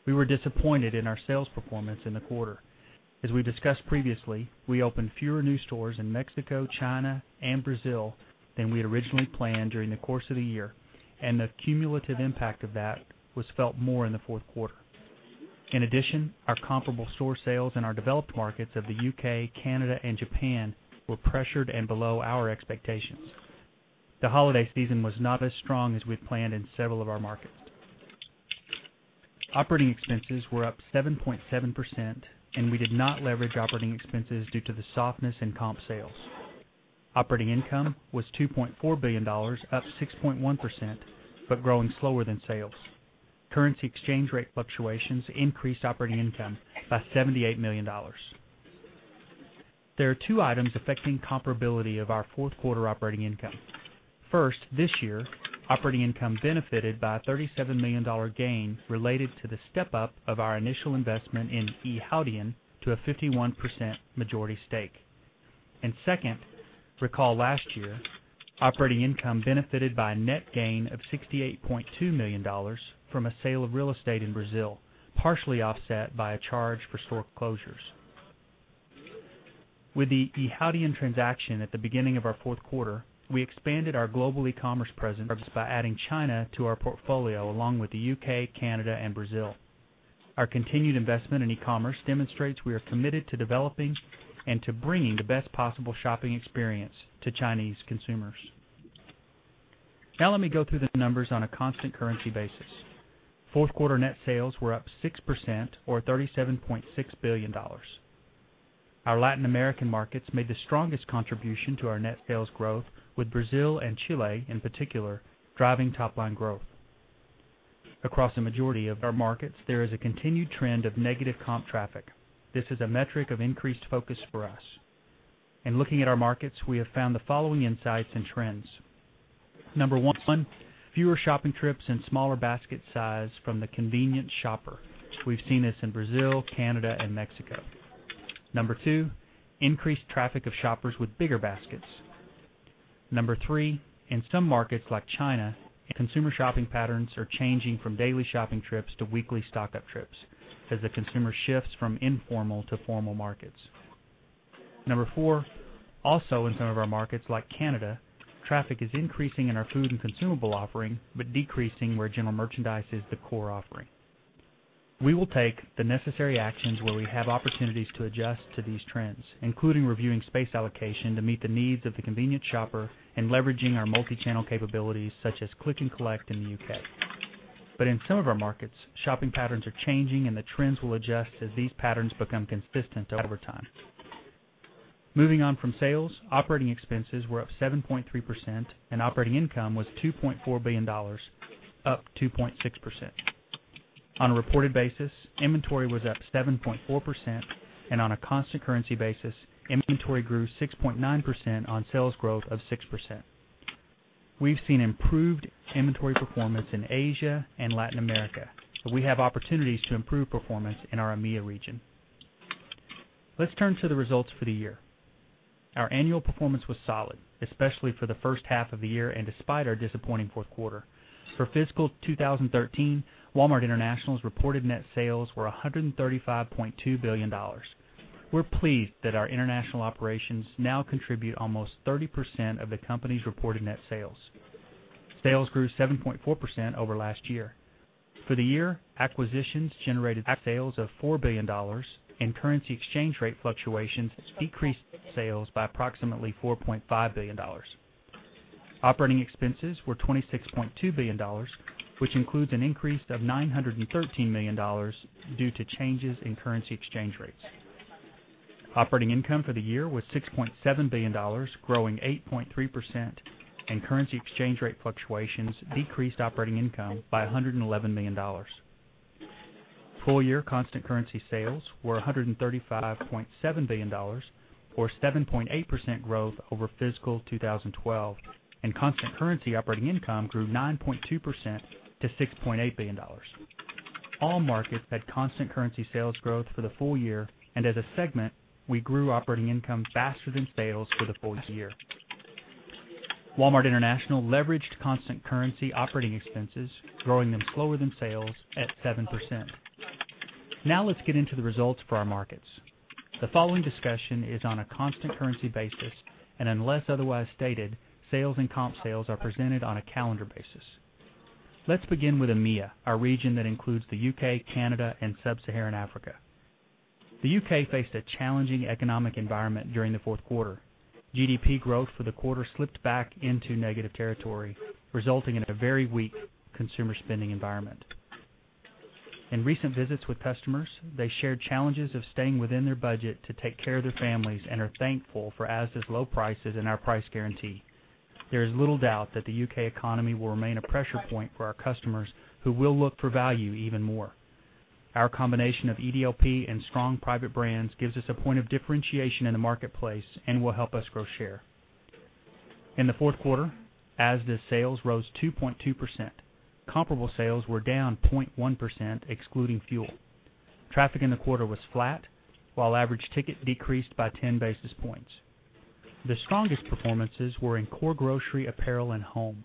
We were disappointed in our sales performance in the quarter. As we discussed previously, we opened fewer new stores in Mexico, China, and Brazil than we had originally planned during the course of the year. The cumulative impact of that was felt more in the fourth quarter. In addition, our comparable store sales in our developed markets of the U.K., Canada, and Japan were pressured and below our expectations. The holiday season was not as strong as we had planned in several of our markets. Operating expenses were up 7.7%. We did not leverage operating expenses due to the softness in comp sales. Operating income was $2.4 billion, up 6.1%, growing slower than sales. Currency exchange rate fluctuations increased operating income by $78 million. There are two items affecting comparability of our fourth quarter operating income. First, this year, operating income benefited by a $37 million gain related to the step-up of our initial investment in Yihaodian to a 51% majority stake. Second, recall last year, operating income benefited by a net gain of $68.2 million from a sale of real estate in Brazil, partially offset by a charge for store closures. With the Yihaodian transaction at the beginning of our fourth quarter, we expanded our Global E-commerce presence by adding China to our portfolio, along with the U.K., Canada, and Brazil. Our continued investment in e-commerce demonstrates we are committed to developing and to bringing the best possible shopping experience to Chinese consumers. Let me go through the numbers on a constant currency basis. Fourth quarter net sales were up 6%, or $37.6 billion. Our Latin American markets made the strongest contribution to our net sales growth, with Brazil and Chile, in particular, driving top-line growth. Across the majority of our markets, there is a continued trend of negative comp traffic. This is a metric of increased focus for us. In looking at our markets, we have found the following insights and trends. Number 1, fewer shopping trips and smaller basket size from the convenience shopper. We've seen this in Brazil, Canada, and Mexico. Number 2, increased traffic of shoppers with bigger baskets. Number 3, in some markets like China, consumer shopping patterns are changing from daily shopping trips to weekly stock-up trips as the consumer shifts from informal to formal markets. Number 4, also in some of our markets like Canada, traffic is increasing in our food and consumable offering, but decreasing where general merchandise is the core offering. We will take the necessary actions where we have opportunities to adjust to these trends, including reviewing space allocation to meet the needs of the convenience shopper and leveraging our multi-channel capabilities such as Click and Collect in the U.K. In some of our markets, shopping patterns are changing, and the trends will adjust as these patterns become consistent over time. Moving on from sales, operating expenses were up 7.3%. Operating income was $2.4 billion, up 2.6%. On a reported basis, inventory was up 7.4%. On a constant currency basis, inventory grew 6.9% on sales growth of 6%. We've seen improved inventory performance in Asia and Latin America, but we have opportunities to improve performance in our EMEA region. Let's turn to the results for the year. Our annual performance was solid, especially for the first half of the year and despite our disappointing fourth quarter. For fiscal 2013, Walmart International's reported net sales were $135.2 billion. We're pleased that our international operations now contribute almost 30% of the company's reported net sales. Sales grew 7.4% over last year. For the year, acquisitions generated sales of $4 billion and currency exchange rate fluctuations decreased sales by approximately $4.5 billion. Operating expenses were $26.2 billion, which includes an increase of $913 million due to changes in currency exchange rates. Operating income for the year was $6.7 billion, growing 8.3%, and currency exchange rate fluctuations decreased operating income by $111 million. Full-year constant currency sales were $135.7 billion, or 7.8% growth over fiscal 2012, and constant currency operating income grew 9.2% to $6.8 billion. All markets had constant currency sales growth for the full year, and as a segment, we grew operating income faster than sales for the full year. Walmart International leveraged constant currency operating expenses, growing them slower than sales at 7%. Let's get into the results for our markets. The following discussion is on a constant currency basis, and unless otherwise stated, sales and comp sales are presented on a calendar basis. Let's begin with EMEA, our region that includes the U.K., Canada, and sub-Saharan Africa. The U.K. faced a challenging economic environment during the fourth quarter. GDP growth for the quarter slipped back into negative territory, resulting in a very weak consumer spending environment. In recent visits with customers, they shared challenges of staying within their budget to take care of their families and are thankful for Asda's low prices and our price guarantee. There is little doubt that the U.K. economy will remain a pressure point for our customers who will look for value even more. Our combination of EDLP and strong private brands gives us a point of differentiation in the marketplace and will help us grow share. In the fourth quarter, Asda sales rose 2.2%. Comparable sales were down 0.1%, excluding fuel. Traffic in the quarter was flat, while average ticket decreased by 10 basis points. The strongest performances were in core grocery, apparel, and home.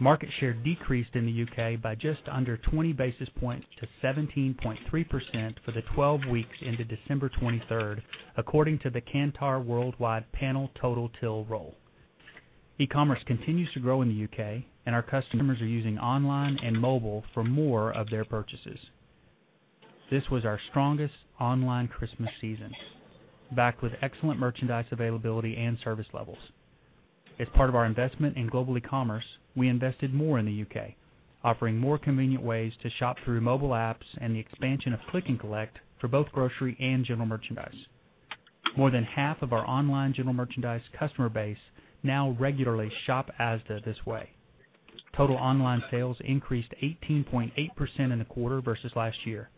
Market share decreased in the U.K. by just under 20 basis points to 17.3% for the 12 weeks into December 23rd, according to the Kantar Worldpanel Total Till Roll. E-commerce continues to grow in the U.K., and our customers are using online and mobile for more of their purchases. This was our strongest online Christmas season, backed with excellent merchandise availability and service levels. As part of our investment in Global E-commerce, we invested more in the U.K., offering more convenient ways to shop through mobile apps and the expansion of Click and Collect for both grocery and general merchandise. More than half of our online general merchandise customer base now regularly shop Asda this way. Total online sales increased 18.8% in the quarter versus last year.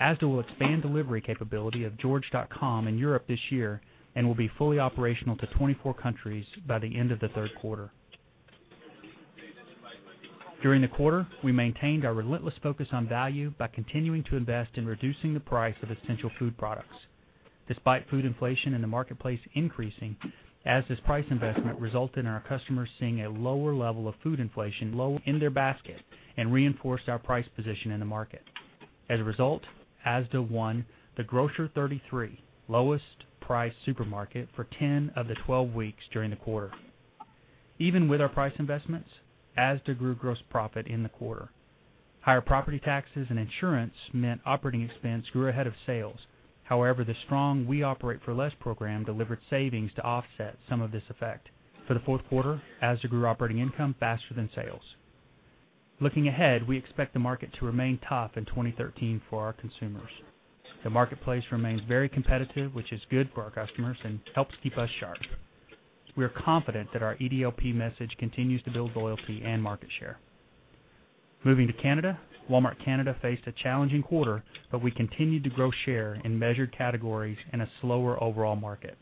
Asda will expand delivery capability of george.com in Europe this year and will be fully operational to 24 countries by the end of the third quarter. During the quarter, we maintained our relentless focus on value by continuing to invest in reducing the price of essential food products. Despite food inflation in the marketplace increasing, Asda's price investment resulted in our customers seeing a lower level of food inflation in their basket and reinforced our price position in the market. As a result, Asda won the Grocer 33 lowest priced supermarket for 10 of the 12 weeks during the quarter. Even with our price investments, Asda grew gross profit in the quarter. Higher property taxes and insurance meant operating expense grew ahead of sales. However, the strong We Operate for Less program delivered savings to offset some of this effect. For the fourth quarter, Asda grew operating income faster than sales. Looking ahead, we expect the market to remain tough in 2013 for our consumers. The marketplace remains very competitive, which is good for our customers and helps keep us sharp. We are confident that our EDLP message continues to build loyalty and market share. Moving to Canada, Walmart Canada faced a challenging quarter, but we continued to grow share in measured categories in a slower overall market.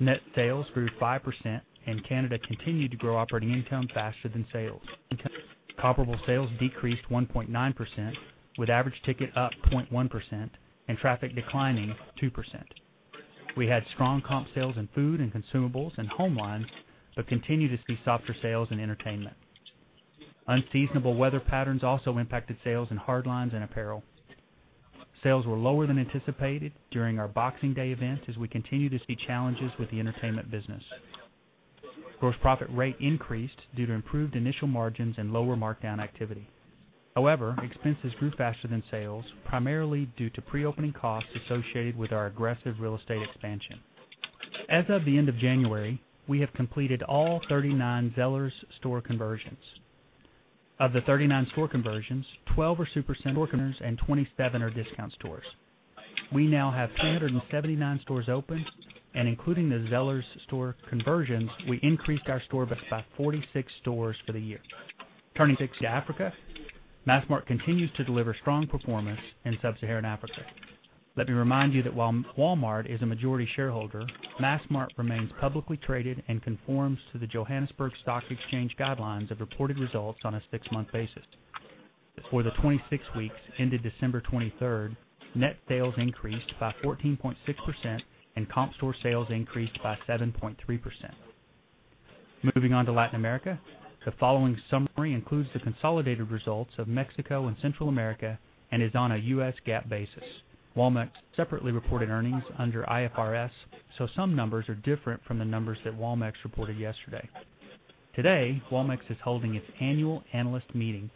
Net sales grew 5%. Canada continued to grow operating income faster than sales. Comparable sales decreased 1.9%, with average ticket up 0.1% and traffic declining 2%. We had strong comp sales in food and consumables and homelines, but continue to see softer sales in entertainment. Unseasonable weather patterns also impacted sales in hard lines and apparel. Sales were lower than anticipated during our Boxing Day event as we continue to see challenges with the entertainment business. Gross profit rate increased due to improved initial margins and lower markdown activity. Expenses grew faster than sales, primarily due to pre-opening costs associated with our aggressive real estate expansion. As of the end of January, we have completed all 39 Zellers store conversions. Of the 39 store conversions, 12 are Supercenters and 27 are discount stores. We now have 379 stores open. Including the Zellers store conversions, we increased our store base by 46 stores for the year. Turning to Africa, Massmart continues to deliver strong performance in sub-Saharan Africa. Let me remind you that while Walmart is a majority shareholder, Massmart remains publicly traded and conforms to the Johannesburg Stock Exchange guidelines of reported results on a six-month basis. For the 26 weeks ended December 23rd, net sales increased by 14.6%. Comp store sales increased by 7.3%. Moving on to Latin America, the following summary includes the consolidated results of Mexico and Central America and is on a U.S. GAAP basis. Walmex separately reported earnings under IFRS. Some numbers are different from the numbers that Walmex reported yesterday. Today, Walmex is holding its annual analyst meeting.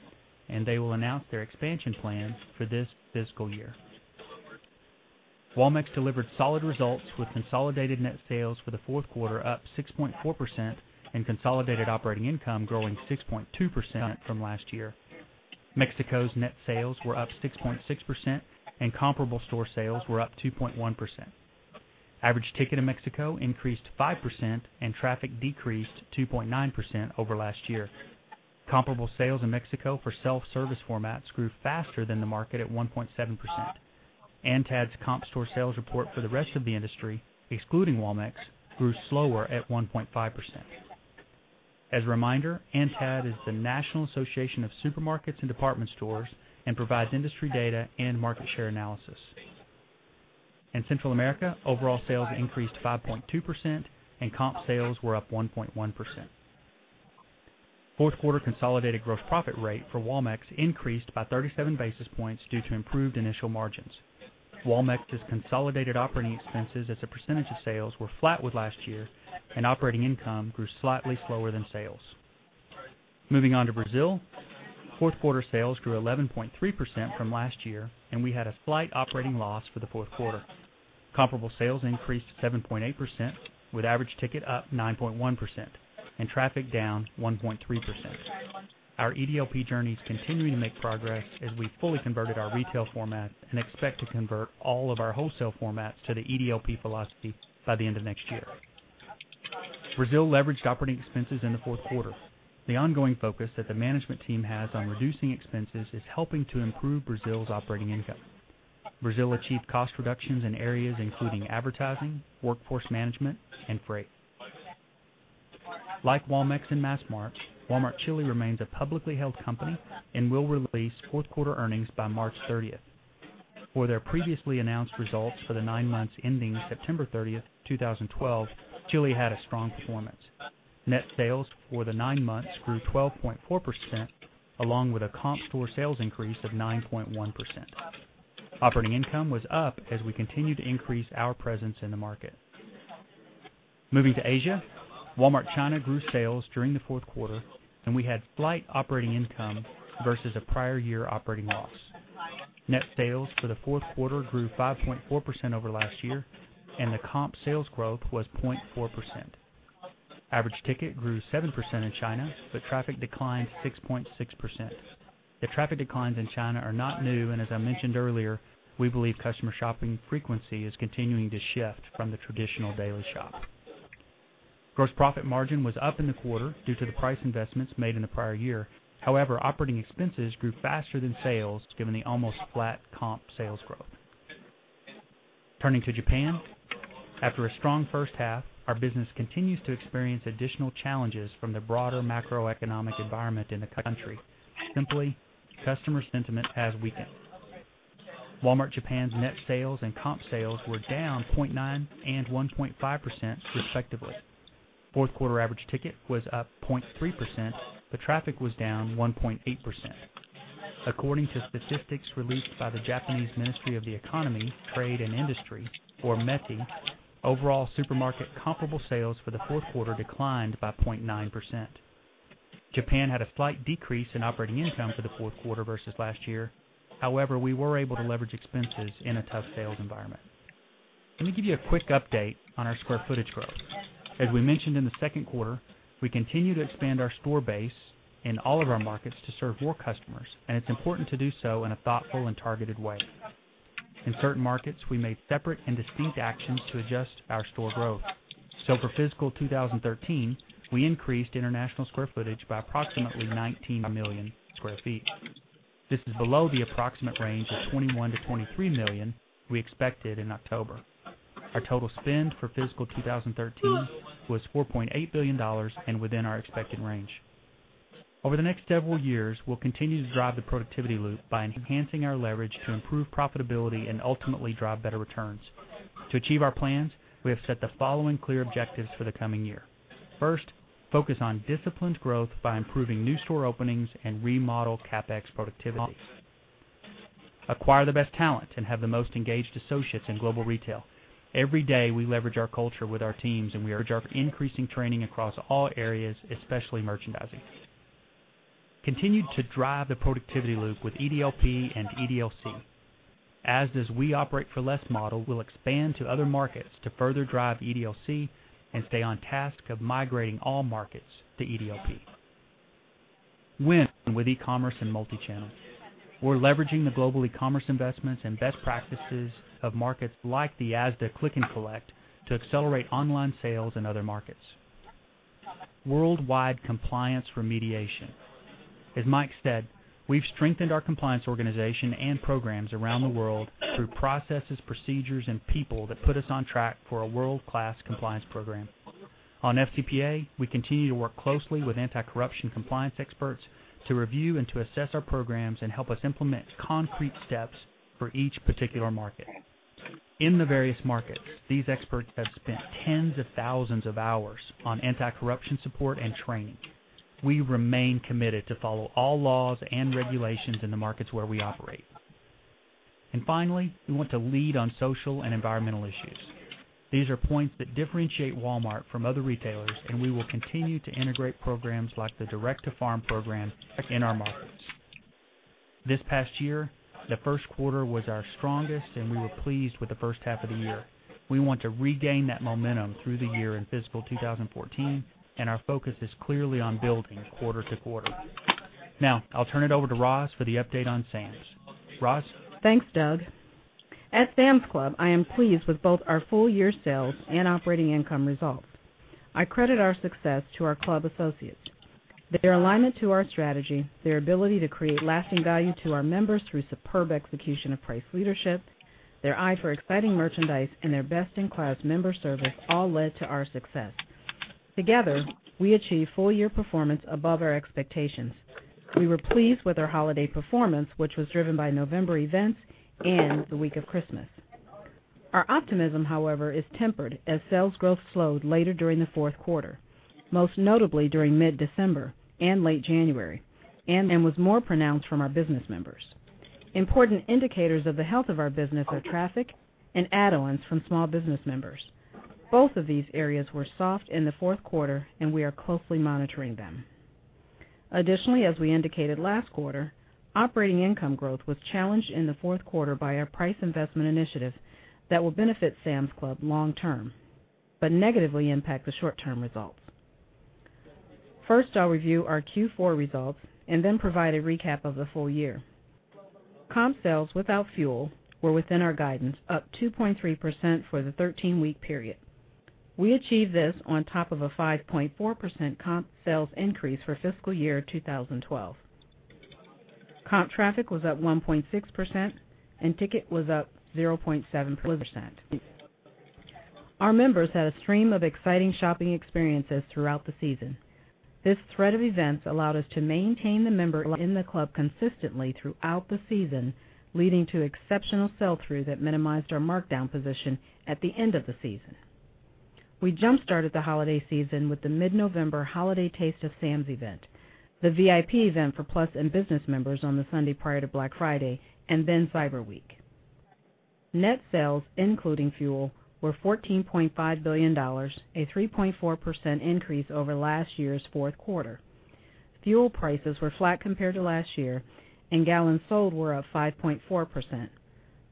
They will announce their expansion plans for this fiscal year. Walmex delivered solid results with consolidated net sales for the fourth quarter up 6.4%. Consolidated operating income growing 6.2% from last year. Mexico's net sales were up 6.6%. Comparable store sales were up 2.1%. Average ticket in Mexico increased 5%. Traffic decreased 2.9% over last year. Comparable sales in Mexico for self-service formats grew faster than the market at 1.7%. ANTAD's comp store sales report for the rest of the industry, excluding Walmex, grew slower at 1.5%. As a reminder, ANTAD is the National Association of Supermarkets and Department Stores and provides industry data and market share analysis. In Central America, overall sales increased 5.2%. Comp sales were up 1.1%. Fourth quarter consolidated gross profit rate for Walmex increased by 37 basis points due to improved initial margins. Walmex's consolidated operating expenses as a percentage of sales were flat with last year. Operating income grew slightly slower than sales. Moving on to Brazil, fourth quarter sales grew 11.3% from last year. We had a slight operating loss for the fourth quarter. Comparable sales increased 7.8%, with average ticket up 9.1% and traffic down 1.3%. Our EDLP journey is continuing to make progress as we fully converted our retail format and expect to convert all of our wholesale formats to the EDLP philosophy by the end of next year. Brazil leveraged operating expenses in the fourth quarter. The ongoing focus that the management team has on reducing expenses is helping to improve Brazil's operating income. Brazil achieved cost reductions in areas including advertising, workforce management, and freight. Like Walmex and Massmart, Walmart Chile remains a publicly held company. Will release fourth quarter earnings by March 30th. For their previously announced results for the nine months ending September 30th, 2012, Chile had a strong performance. Net sales for the nine months grew 12.4%, along with a comp store sales increase of 9.1%. Operating income was up as we continued to increase our presence in the market. Moving to Asia, Walmart China grew sales during the fourth quarter. We had slight operating income versus a prior year operating loss. Net sales for the fourth quarter grew 5.4% over last year. The comp sales growth was 0.4%. Average ticket grew 7% in China. Traffic declined 6.6%. The traffic declines in China are not new. As I mentioned earlier, we believe customer shopping frequency is continuing to shift from the traditional daily shop. Gross profit margin was up in the quarter due to the price investments made in the prior year. Operating expenses grew faster than sales given the almost flat comp sales growth. Turning to Japan. After a strong first half, our business continues to experience additional challenges from the broader macroeconomic environment in the country. Simply, customer sentiment has weakened. Walmart Japan's net sales and comp sales were down 0.9% and 1.5% respectively. Fourth quarter average ticket was up 0.3%. Traffic was down 1.8%. According to statistics released by the Japanese Ministry of the Economy, Trade and Industry, or METI, overall supermarket comparable sales for the fourth quarter declined by 0.9%. Japan had a slight decrease in operating income for the fourth quarter versus last year. We were able to leverage expenses in a tough sales environment. Let me give you a quick update on our square footage growth. We mentioned in the second quarter, we continue to expand our store base in all of our markets to serve more customers. It's important to do so in a thoughtful and targeted way. In certain markets, we made separate and distinct actions to adjust our store growth. For fiscal 2013, we increased international square footage by approximately 19 million square feet. This is below the approximate range of 21 million-23 million we expected in October. Our total spend for fiscal 2013 was $4.8 billion and within our expected range. Over the next several years, we'll continue to drive the productivity loop by enhancing our leverage to improve profitability and ultimately drive better returns. To achieve our plans, we have set the following clear objectives for the coming year. First, focus on disciplined growth by improving new store openings and remodel CapEx productivity. Acquire the best talent and have the most engaged associates in global retail. Every day, we leverage our culture with our teams, and we are increasing training across all areas, especially merchandising. Continue to drive the productivity loop with EDLP and EDLC. As this We Operate For Less model will expand to other markets to further drive EDLC and stay on task of migrating all markets to EDLP. Win with e-commerce and multichannel. We're leveraging the global e-commerce investments and best practices of markets like the Asda Click and Collect to accelerate online sales in other markets. Worldwide compliance remediation. As Mike said, we've strengthened our compliance organization and programs around the world through processes, procedures, and people that put us on track for a world-class compliance program. On FCPA, we continue to work closely with anti-corruption compliance experts to review and to assess our programs and help us implement concrete steps for each particular market. In the various markets, these experts have spent tens of thousands of hours on anti-corruption support and training. We remain committed to follow all laws and regulations in the markets where we operate. Finally, we want to lead on social and environmental issues. These are points that differentiate Walmart from other retailers, and we will continue to integrate programs like the Direct Farm Program in our markets. This past year, the first quarter was our strongest, and we were pleased with the first half of the year. We want to regain that momentum through the year in fiscal 2014, our focus is clearly on building quarter to quarter. Now, I'll turn it over to Roz for the update on Sam's. Roz? Thanks, Doug. At Sam's Club, I am pleased with both our full-year sales and operating income results. I credit our success to our club associates. Their alignment to our strategy, their ability to create lasting value to our members through superb execution of price leadership, their eye for exciting merchandise, and their best-in-class member service all led to our success. Together, we achieved full-year performance above our expectations. We were pleased with our holiday performance, which was driven by November events and the week of Christmas. Our optimism, however, is tempered as sales growth slowed later during the fourth quarter, most notably during mid-December and late January, and was more pronounced from our business members. Important indicators of the health of our business are traffic and add-ons from small business members. Both of these areas were soft in the fourth quarter, and we are closely monitoring them. As we indicated last quarter, operating income growth was challenged in the fourth quarter by our price investment initiative that will benefit Sam's Club long term but negatively impact the short-term results. First, I'll review our Q4 results and then provide a recap of the full year. Comp sales without fuel were within our guidance, up 2.3% for the 13-week period. We achieved this on top of a 5.4% comp sales increase for fiscal year 2012. Comp traffic was up 1.6%, and ticket was up 0.7%. Our members had a stream of exciting shopping experiences throughout the season. This thread of events allowed us to maintain the member in the club consistently throughout the season, leading to exceptional sell-through that minimized our markdown position at the end of the season. We jump-started the holiday season with the mid-November Holiday Taste of Sam's event, the VIP event for plus and business members on the Sunday prior to Black Friday, and then Cyber Week. Net sales, including fuel, were $14.5 billion, a 3.4% increase over last year's fourth quarter. Fuel prices were flat compared to last year, and gallons sold were up 5.4%,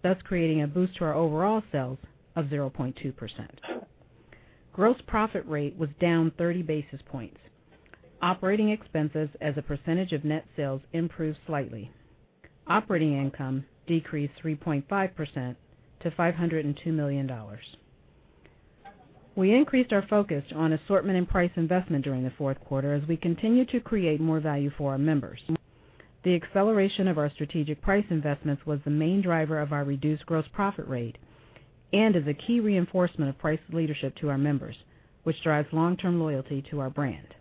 thus creating a boost to our overall sales of 0.2%. Gross profit rate was down 30 basis points. Operating expenses as a percentage of net sales improved slightly. Operating income decreased 3.5% to $502 million. We increased our focus on assortment and price investment during the fourth quarter as we continued to create more value for our members. The acceleration of our strategic price investments was the main driver of our reduced gross profit rate and is a key reinforcement of price leadership to our members, which drives long-term loyalty to our brand.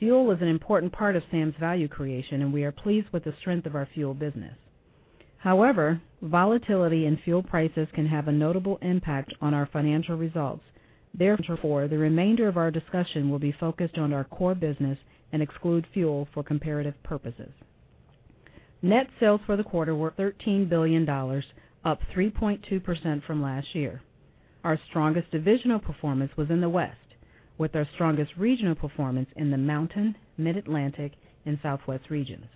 Fuel is an important part of Sam's value creation, and we are pleased with the strength of our fuel business. Volatility in fuel prices can have a notable impact on our financial results. The remainder of our discussion will be focused on our core business and exclude fuel for comparative purposes. Net sales for the quarter were $13 billion, up 3.2% from last year. Our strongest divisional performance was in the West, with our strongest regional performance in the Mountain, Mid-Atlantic, and Southwest regions.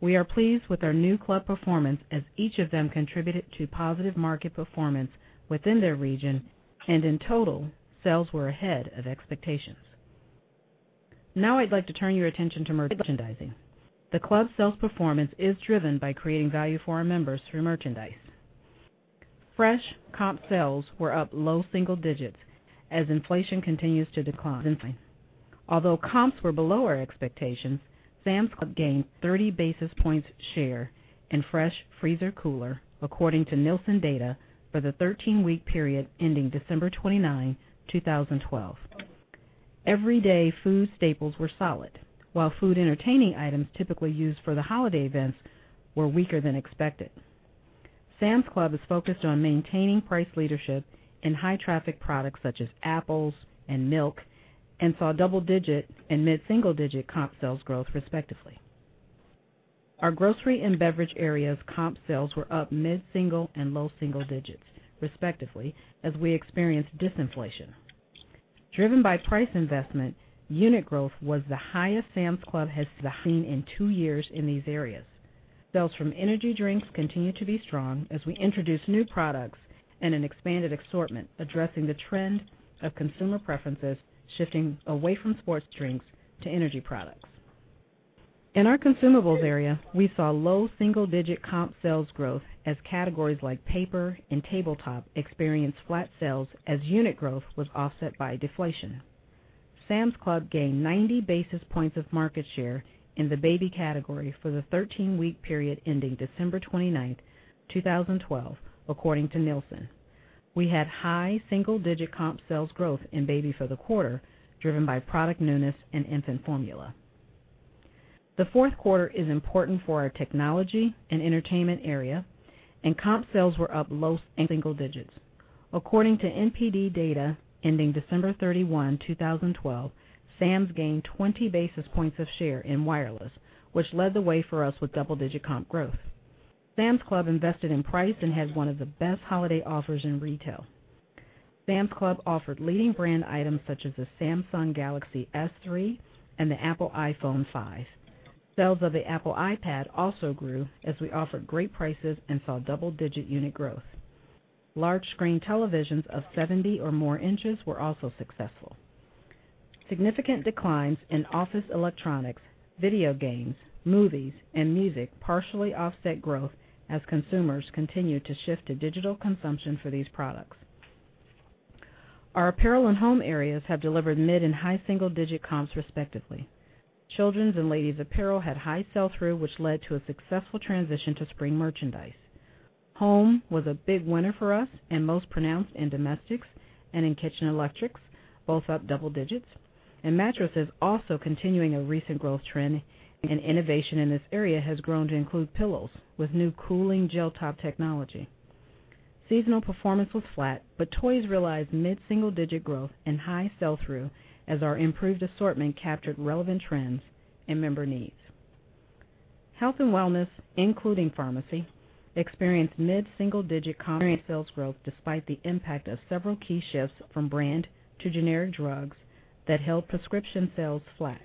We are pleased with our new club performance as each of them contributed to positive market performance within their region, and in total, sales were ahead of expectations. I'd like to turn your attention to merchandising. The club sales performance is driven by creating value for our members through merchandise. Fresh comp sales were up low single digits as inflation continues to decline. Although comps were below our expectations, Sam's Club gained 30 basis points share in fresh freezer cooler, according to Nielsen data for the 13-week period ending December 29, 2012. Everyday food staples were solid, while food entertaining items typically used for the holiday events were weaker than expected. Sam's Club is focused on maintaining price leadership in high-traffic products such as apples and milk and saw double-digit and mid-single-digit comp sales growth, respectively. Our grocery and beverage area's comp sales were up mid-single and low single digits, respectively, as we experienced disinflation. Driven by price investment, unit growth was the highest Sam's Club has seen in two years in these areas. Sales from energy drinks continue to be strong as we introduce new products and an expanded assortment addressing the trend of consumer preferences shifting away from sports drinks to energy products. In our consumables area, we saw low single-digit comp sales growth as categories like paper and tabletop experienced flat sales as unit growth was offset by deflation. Sam's Club gained 90 basis points of market share in the baby category for the 13-week period ending December 29th, 2012, according to Nielsen. We had high single-digit comp sales growth in baby for the quarter, driven by product newness and infant formula. The fourth quarter is important for our technology and entertainment area, and comp sales were up low single digits. According to NPD data ending December 31, 2012, Sam's gained 20 basis points of share in wireless, which led the way for us with double-digit comp growth. Sam's Club invested in price and has one of the best holiday offers in retail. Sam's Club offered leading brand items such as the Samsung Galaxy S III and the Apple iPhone 5. Sales of the Apple iPad also grew as we offered great prices and saw double-digit unit growth. Large-screen televisions of 70 or more inches were also successful. Significant declines in office electronics, video games, movies, and music partially offset growth as consumers continued to shift to digital consumption for these products. Our apparel and home areas have delivered mid and high single-digit comps respectively. Children's and ladies' apparel had high sell-through, which led to a successful transition to spring merchandise. Home was a big winner for us and most pronounced in domestics and in kitchen electrics, both up double digits. Mattresses also continuing a recent growth trend, and innovation in this area has grown to include pillows with new cooling gel top technology. Seasonal performance was flat, but toys realized mid-single digit growth and high sell-through as our improved assortment captured relevant trends and member needs. Health and wellness, including pharmacy, experienced mid-single digit comp sales growth despite the impact of several key shifts from brand to generic drugs that held prescription sales flat.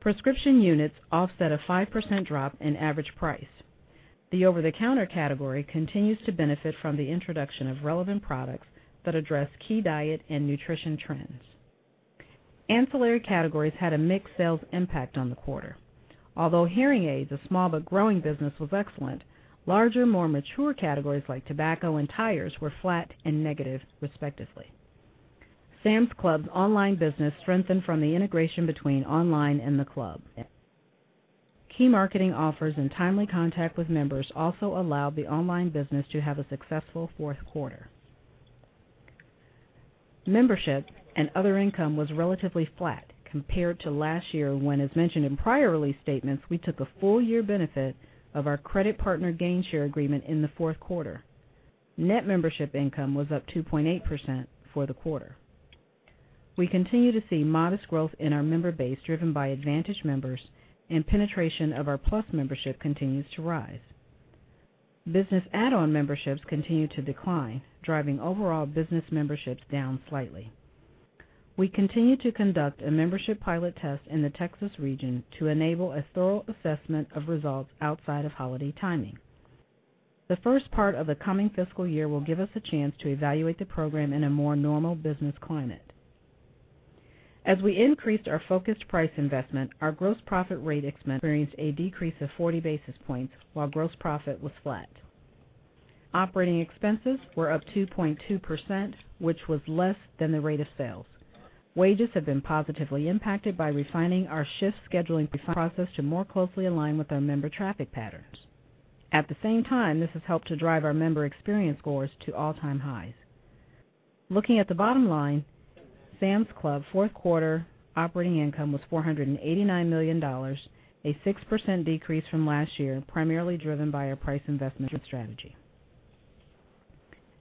Prescription units offset a 5% drop in average price. The over-the-counter category continues to benefit from the introduction of relevant products that address key diet and nutrition trends. Ancillary categories had a mixed sales impact on the quarter. Although hearing aids, a small but growing business, was excellent, larger, more mature categories like tobacco and tires were flat and negative respectively. Sam's Club's online business strengthened from the integration between online and the club. Key marketing offers and timely contact with members also allowed the online business to have a successful fourth quarter. Membership and other income was relatively flat compared to last year when, as mentioned in prior release statements, we took a full year benefit of our credit partner gain share agreement in the fourth quarter. Net membership income was up 2.8% for the quarter. We continue to see modest growth in our member base driven by Advantage members, and penetration of our Plus membership continues to rise. Business add-on memberships continue to decline, driving overall business memberships down slightly. We continue to conduct a membership pilot test in the Texas region to enable a thorough assessment of results outside of holiday timing. The first part of the coming fiscal year will give us a chance to evaluate the program in a more normal business climate. As we increased our focused price investment, our gross profit rate experienced a decrease of 40 basis points while gross profit was flat. Operating expenses were up 2.2%, which was less than the rate of sales. Wages have been positively impacted by refining our shift scheduling process to more closely align with our member traffic patterns. At the same time, this has helped to drive our member experience scores to all-time highs. Looking at the bottom line, Sam's Club fourth quarter operating income was $489 million, a 6% decrease from last year, primarily driven by our price investment strategy.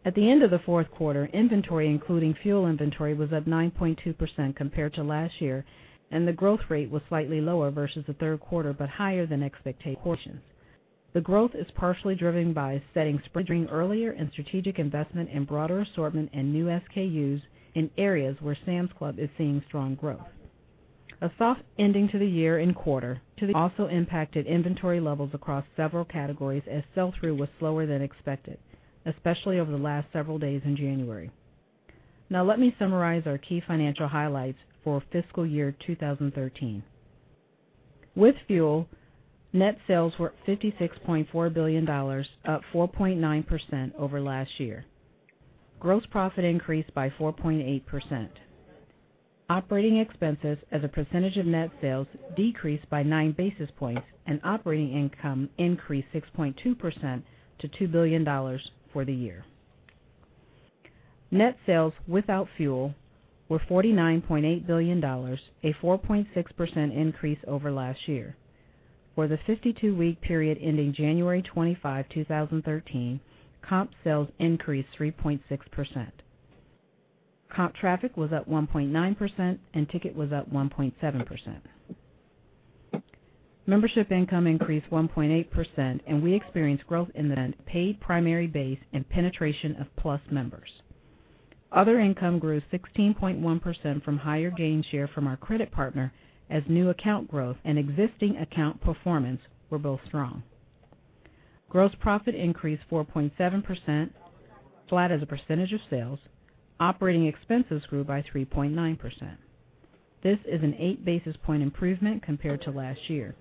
At the end of the fourth quarter, inventory, including fuel inventory, was up 9.2% compared to last year. The growth rate was slightly lower versus the third quarter but higher than expectations. The growth is partially driven by setting spring earlier and strategic investment in broader assortment and new SKUs in areas where Sam's Club is seeing strong growth. A soft ending to the year and quarter also impacted inventory levels across several categories as sell-through was slower than expected, especially over the last several days in January. Now let me summarize our key financial highlights for fiscal year 2013. With fuel, net sales were $56.4 billion, up 4.9% over last year. Gross profit increased by 4.8%. Operating expenses as a percentage of net sales decreased by nine basis points. Operating income increased 6.2% to $2 billion for the year. Net sales without fuel were $49.8 billion, a 4.6% increase over last year. For the 52-week period ending January 25, 2013, comp sales increased 3.6%. Comp traffic was up 1.9%. Ticket was up 1.7%. Membership income increased 1.8%. We experienced growth in the paid primary base and penetration of Plus members. Other income grew 16.1% from higher gain share from our credit partner as new account growth and existing account performance were both strong. Gross profit increased 4.7%, flat as a percentage of sales. Operating expenses grew by 3.9%. This is an eight basis point improvement compared to last year.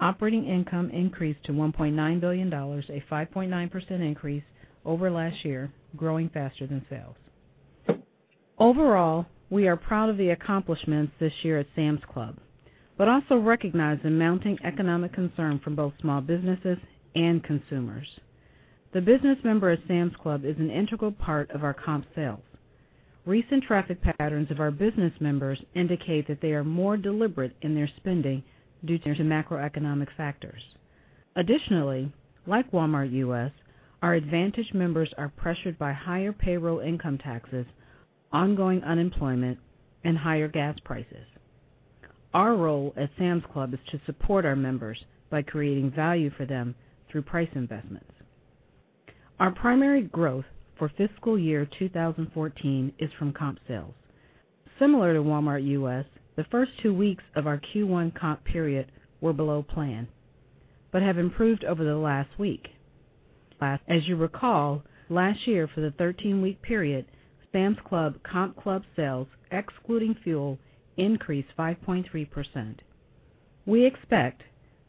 Operating income increased to $1.9 billion, a 5.9% increase over last year, growing faster than sales. Overall, we are proud of the accomplishments this year at Sam's Club. Also recognize the mounting economic concern from both small businesses and consumers. The business member at Sam's Club is an integral part of our comp sales. Recent traffic patterns of our business members indicate that they are more deliberate in their spending due to macroeconomic factors. Additionally, like Walmart U.S., our Advantage members are pressured by higher payroll income taxes, ongoing unemployment, and higher gas prices. Our role at Sam's Club is to support our members by creating value for them through price investments. Our primary growth for fiscal year 2014 is from comp sales. Similar to Walmart U.S., the first two weeks of our Q1 comp period were below plan. Have improved over the last week. As you recall, last year for the 13-week period, Sam's Club comp club sales excluding fuel increased 5.3%. We expect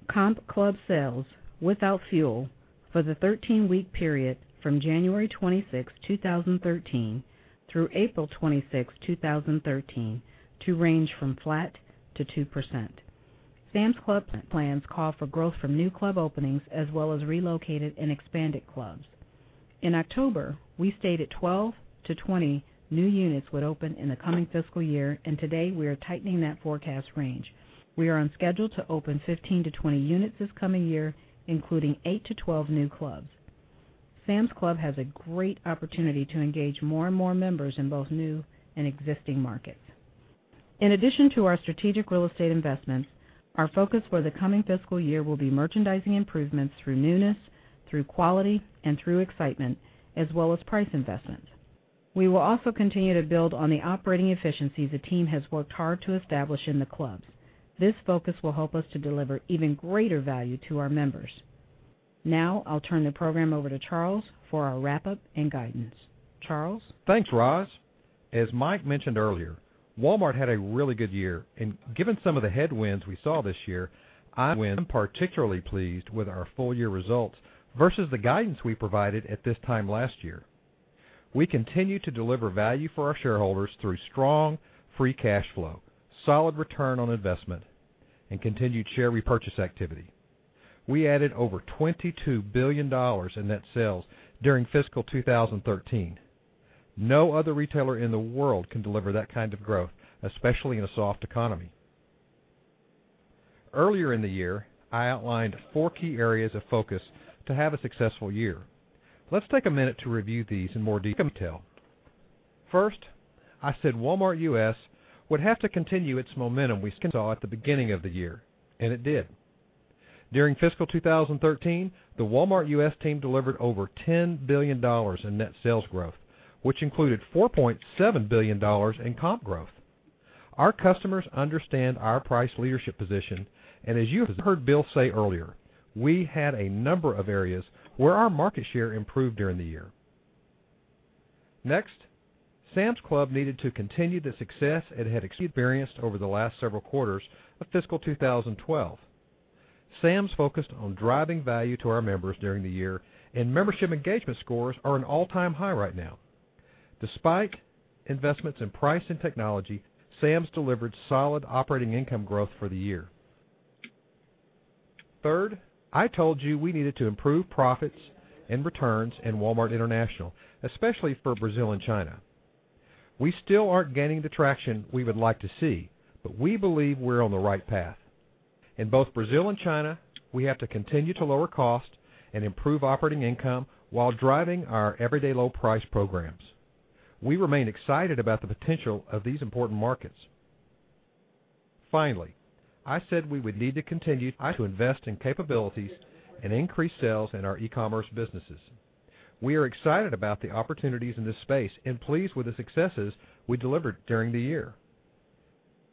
comp club sales without fuel for the 13-week period from January 26th, 2013, through April 26th, 2013, to range from flat to 2%. Sam's Club plans call for growth from new club openings as well as relocated and expanded clubs. In October, we stated 12 to 20 new units would open in the coming fiscal year, and today we are tightening that forecast range. We are on schedule to open 15 to 20 units this coming year, including 8 to 12 new clubs. Sam's Club has a great opportunity to engage more and more members in both new and existing markets. In addition to our strategic real estate investments, our focus for the coming fiscal year will be merchandising improvements through newness, through quality, and through excitement, as well as price investment. We will also continue to build on the operating efficiencies the team has worked hard to establish in the clubs. This focus will help us to deliver even greater value to our members. Now I'll turn the program over to Charles for our wrap-up and guidance. Charles? Thanks, Roz. As Mike mentioned earlier, Walmart had a really good year. Given some of the headwinds we saw this year, I am particularly pleased with our full-year results versus the guidance we provided at this time last year. We continue to deliver value for our shareholders through strong free cash flow, solid return on investment, continued share repurchase activity. We added over $22 billion in net sales during fiscal 2013. No other retailer in the world can deliver that kind of growth, especially in a soft economy. Earlier in the year, I outlined four key areas of focus to have a successful year. Let's take a minute to review these in more detail. First, I said Walmart U.S. would have to continue its momentum we saw at the beginning of the year. It did. During fiscal 2013, the Walmart U.S. team delivered over $10 billion in net sales growth, which included $4.7 billion in comp growth. Our customers understand our price leadership position. As you heard Bill say earlier, we had a number of areas where our market share improved during the year. Next, Sam's Club needed to continue the success it had experienced over the last several quarters of fiscal 2012. Sam's focused on driving value to our members during the year. Membership engagement scores are an all-time high right now. Despite investments in price and technology, Sam's delivered solid operating income growth for the year. Third, I told you we needed to improve profits and returns in Walmart International, especially for Brazil and China. We still aren't gaining the traction we would like to see, but we believe we're on the right path. In both Brazil and China, we have to continue to lower cost and improve operating income while driving our everyday low price programs. We remain excited about the potential of these important markets. Finally, I said we would need to continue to invest in capabilities and increase sales in our e-commerce businesses. We are excited about the opportunities in this space and pleased with the successes we delivered during the year.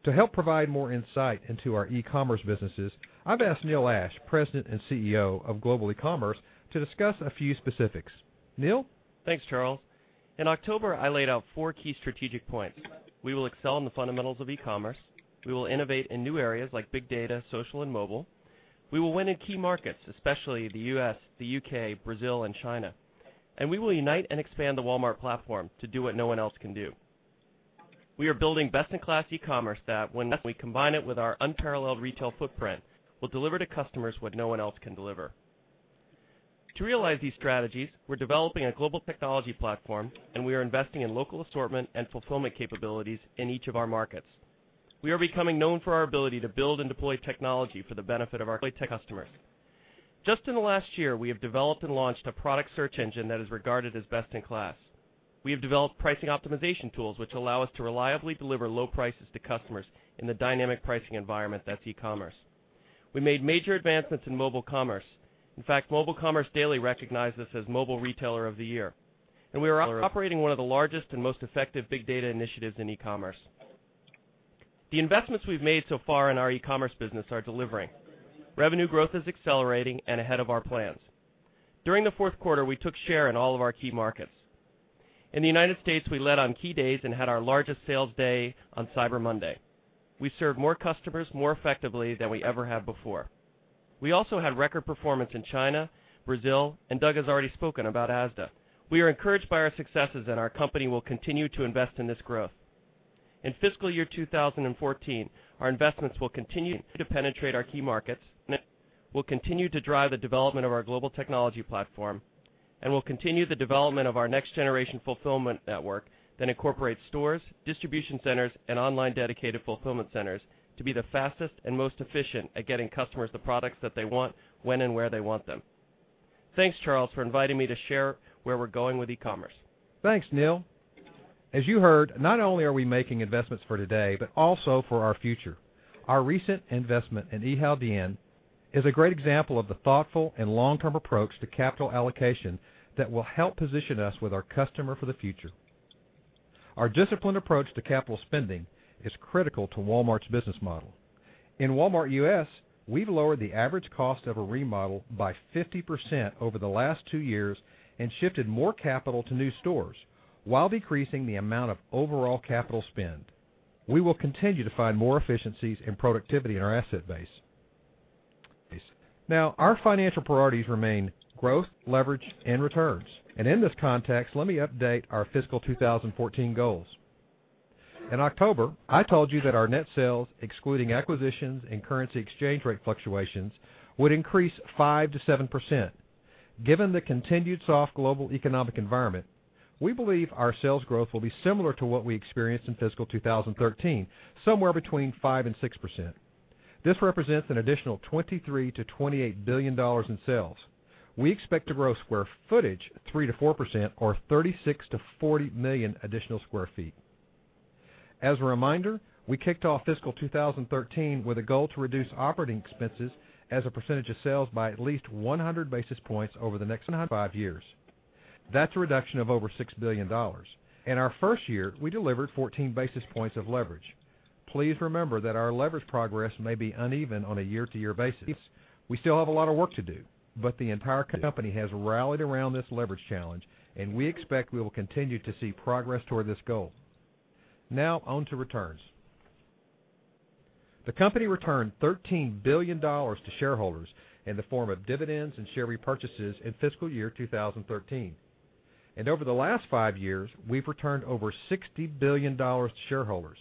To help provide more insight into our e-commerce businesses, I've asked Neil Ashe, President and CEO of Global E-commerce, to discuss a few specifics. Neil? Thanks, Charles. In October, I laid out four key strategic points. We will excel in the fundamentals of e-commerce. We will innovate in new areas like big data, social, and mobile. We will win in key markets, especially the U.S., the U.K., Brazil, and China. We will unite and expand the Walmart platform to do what no one else can do. We are building best-in-class e-commerce that when we combine it with our unparalleled retail footprint will deliver to customers what no one else can deliver. To realize these strategies, we're developing a global technology platform. We are investing in local assortment and fulfillment capabilities in each of our markets. We are becoming known for our ability to build and deploy technology for the benefit of our customers. Just in the last year, we have developed and launched a product search engine that is regarded as best in class. We have developed pricing optimization tools which allow us to reliably deliver low prices to customers in the dynamic pricing environment that's e-commerce. We made major advancements in mobile commerce. In fact, Mobile Commerce Daily recognized us as Mobile Retailer of the Year. We are operating one of the largest and most effective big data initiatives in e-commerce. The investments we've made so far in our e-commerce business are delivering. Revenue growth is accelerating and ahead of our plans. During the fourth quarter, we took share in all of our key markets. In the United States, we led on key days and had our largest sales day on Cyber Monday. We served more customers more effectively than we ever have before. We also had record performance in China, Brazil, and Doug has already spoken about Asda. We are encouraged by our successes that our company will continue to invest in this growth. In fiscal year 2014, our investments will continue to penetrate our key markets, will continue to drive the development of our global technology platform. Will continue the development of our next-generation fulfillment network that incorporates stores, distribution centers, and online dedicated fulfillment centers to be the fastest and most efficient at getting customers the products that they want, when and where they want them. Thanks, Charles, for inviting me to share where we're going with e-commerce. Thanks, Neil. As you heard, not only are we making investments for today, but also for our future. Our recent investment in Yihaodian is a great example of the thoughtful and long-term approach to capital allocation that will help position us with our customer for the future. Our disciplined approach to capital spending is critical to Walmart's business model. In Walmart U.S., we've lowered the average cost of a remodel by 50% over the last 2 years. Shifted more capital to new stores while decreasing the amount of overall capital spend. We will continue to find more efficiencies in productivity in our asset base. Our financial priorities remain growth, leverage, and returns. In this context, let me update our fiscal 2014 goals. In October, I told you that our net sales, excluding acquisitions and currency exchange rate fluctuations, would increase 5% to 7%. Given the continued soft global economic environment, we believe our sales growth will be similar to what we experienced in fiscal 2013, somewhere between 5% and 6%. This represents an additional $23 billion-$28 billion in sales. We expect to grow square footage 3%-4%, or 36 million-40 million additional square feet. As a reminder, we kicked off fiscal 2013 with a goal to reduce operating expenses as a percentage of sales by at least 100 basis points over the next five years. That's a reduction of over $6 billion. In our first year, we delivered 14 basis points of leverage. Please remember that our leverage progress may be uneven on a year-to-year basis. We still have a lot of work to do, but the entire company has rallied around this leverage challenge, and we expect we will continue to see progress toward this goal. Now on to returns. The company returned $13 billion to shareholders in the form of dividends and share repurchases in fiscal year 2013. Over the last five years, we've returned over $60 billion to shareholders.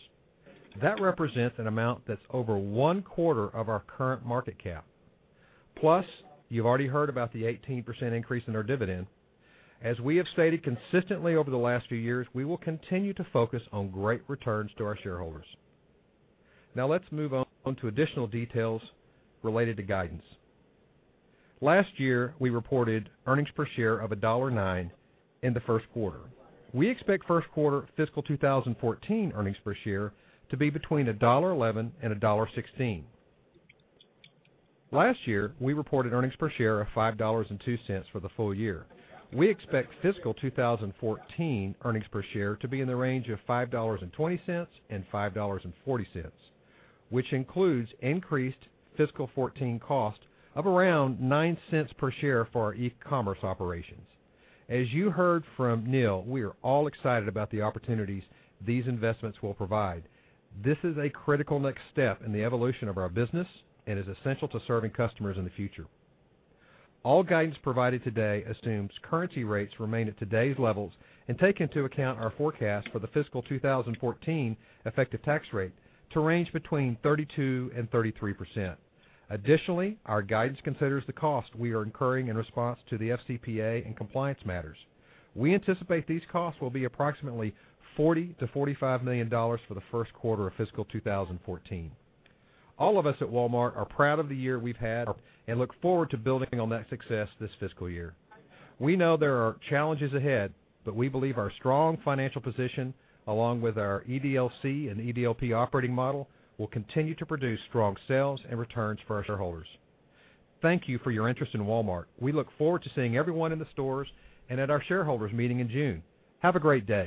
That represents an amount that's over one-quarter of our current market cap. Plus, you've already heard about the 18% increase in our dividend. As we have stated consistently over the last few years, we will continue to focus on great returns to our shareholders. Now let's move on to additional details related to guidance. Last year, we reported earnings per share of $1.09 in the first quarter. We expect first quarter fiscal 2014 earnings per share to be between $1.11 and $1.16. Last year, we reported earnings per share of $5.02 for the full year. We expect fiscal 2014 earnings per share to be in the range of $5.20 and $5.40, which includes increased fiscal 2014 cost of around $0.09 per share for our e-commerce operations. As you heard from Neil, we are all excited about the opportunities these investments will provide. This is a critical next step in the evolution of our business and is essential to serving customers in the future. All guidance provided today assumes currency rates remain at today's levels and take into account our forecast for the fiscal 2014 effective tax rate to range between 32% and 33%. Additionally, our guidance considers the cost we are incurring in response to the FCPA and compliance matters. We anticipate these costs will be approximately $40 million-$45 million for the first quarter of fiscal 2014. All of us at Walmart are proud of the year we've had and look forward to building on that success this fiscal year. We know there are challenges ahead, but we believe our strong financial position, along with our EDLC and EDLP operating model, will continue to produce strong sales and returns for our shareholders. Thank you for your interest in Walmart. We look forward to seeing everyone in the stores and at our shareholders meeting in June. Have a great day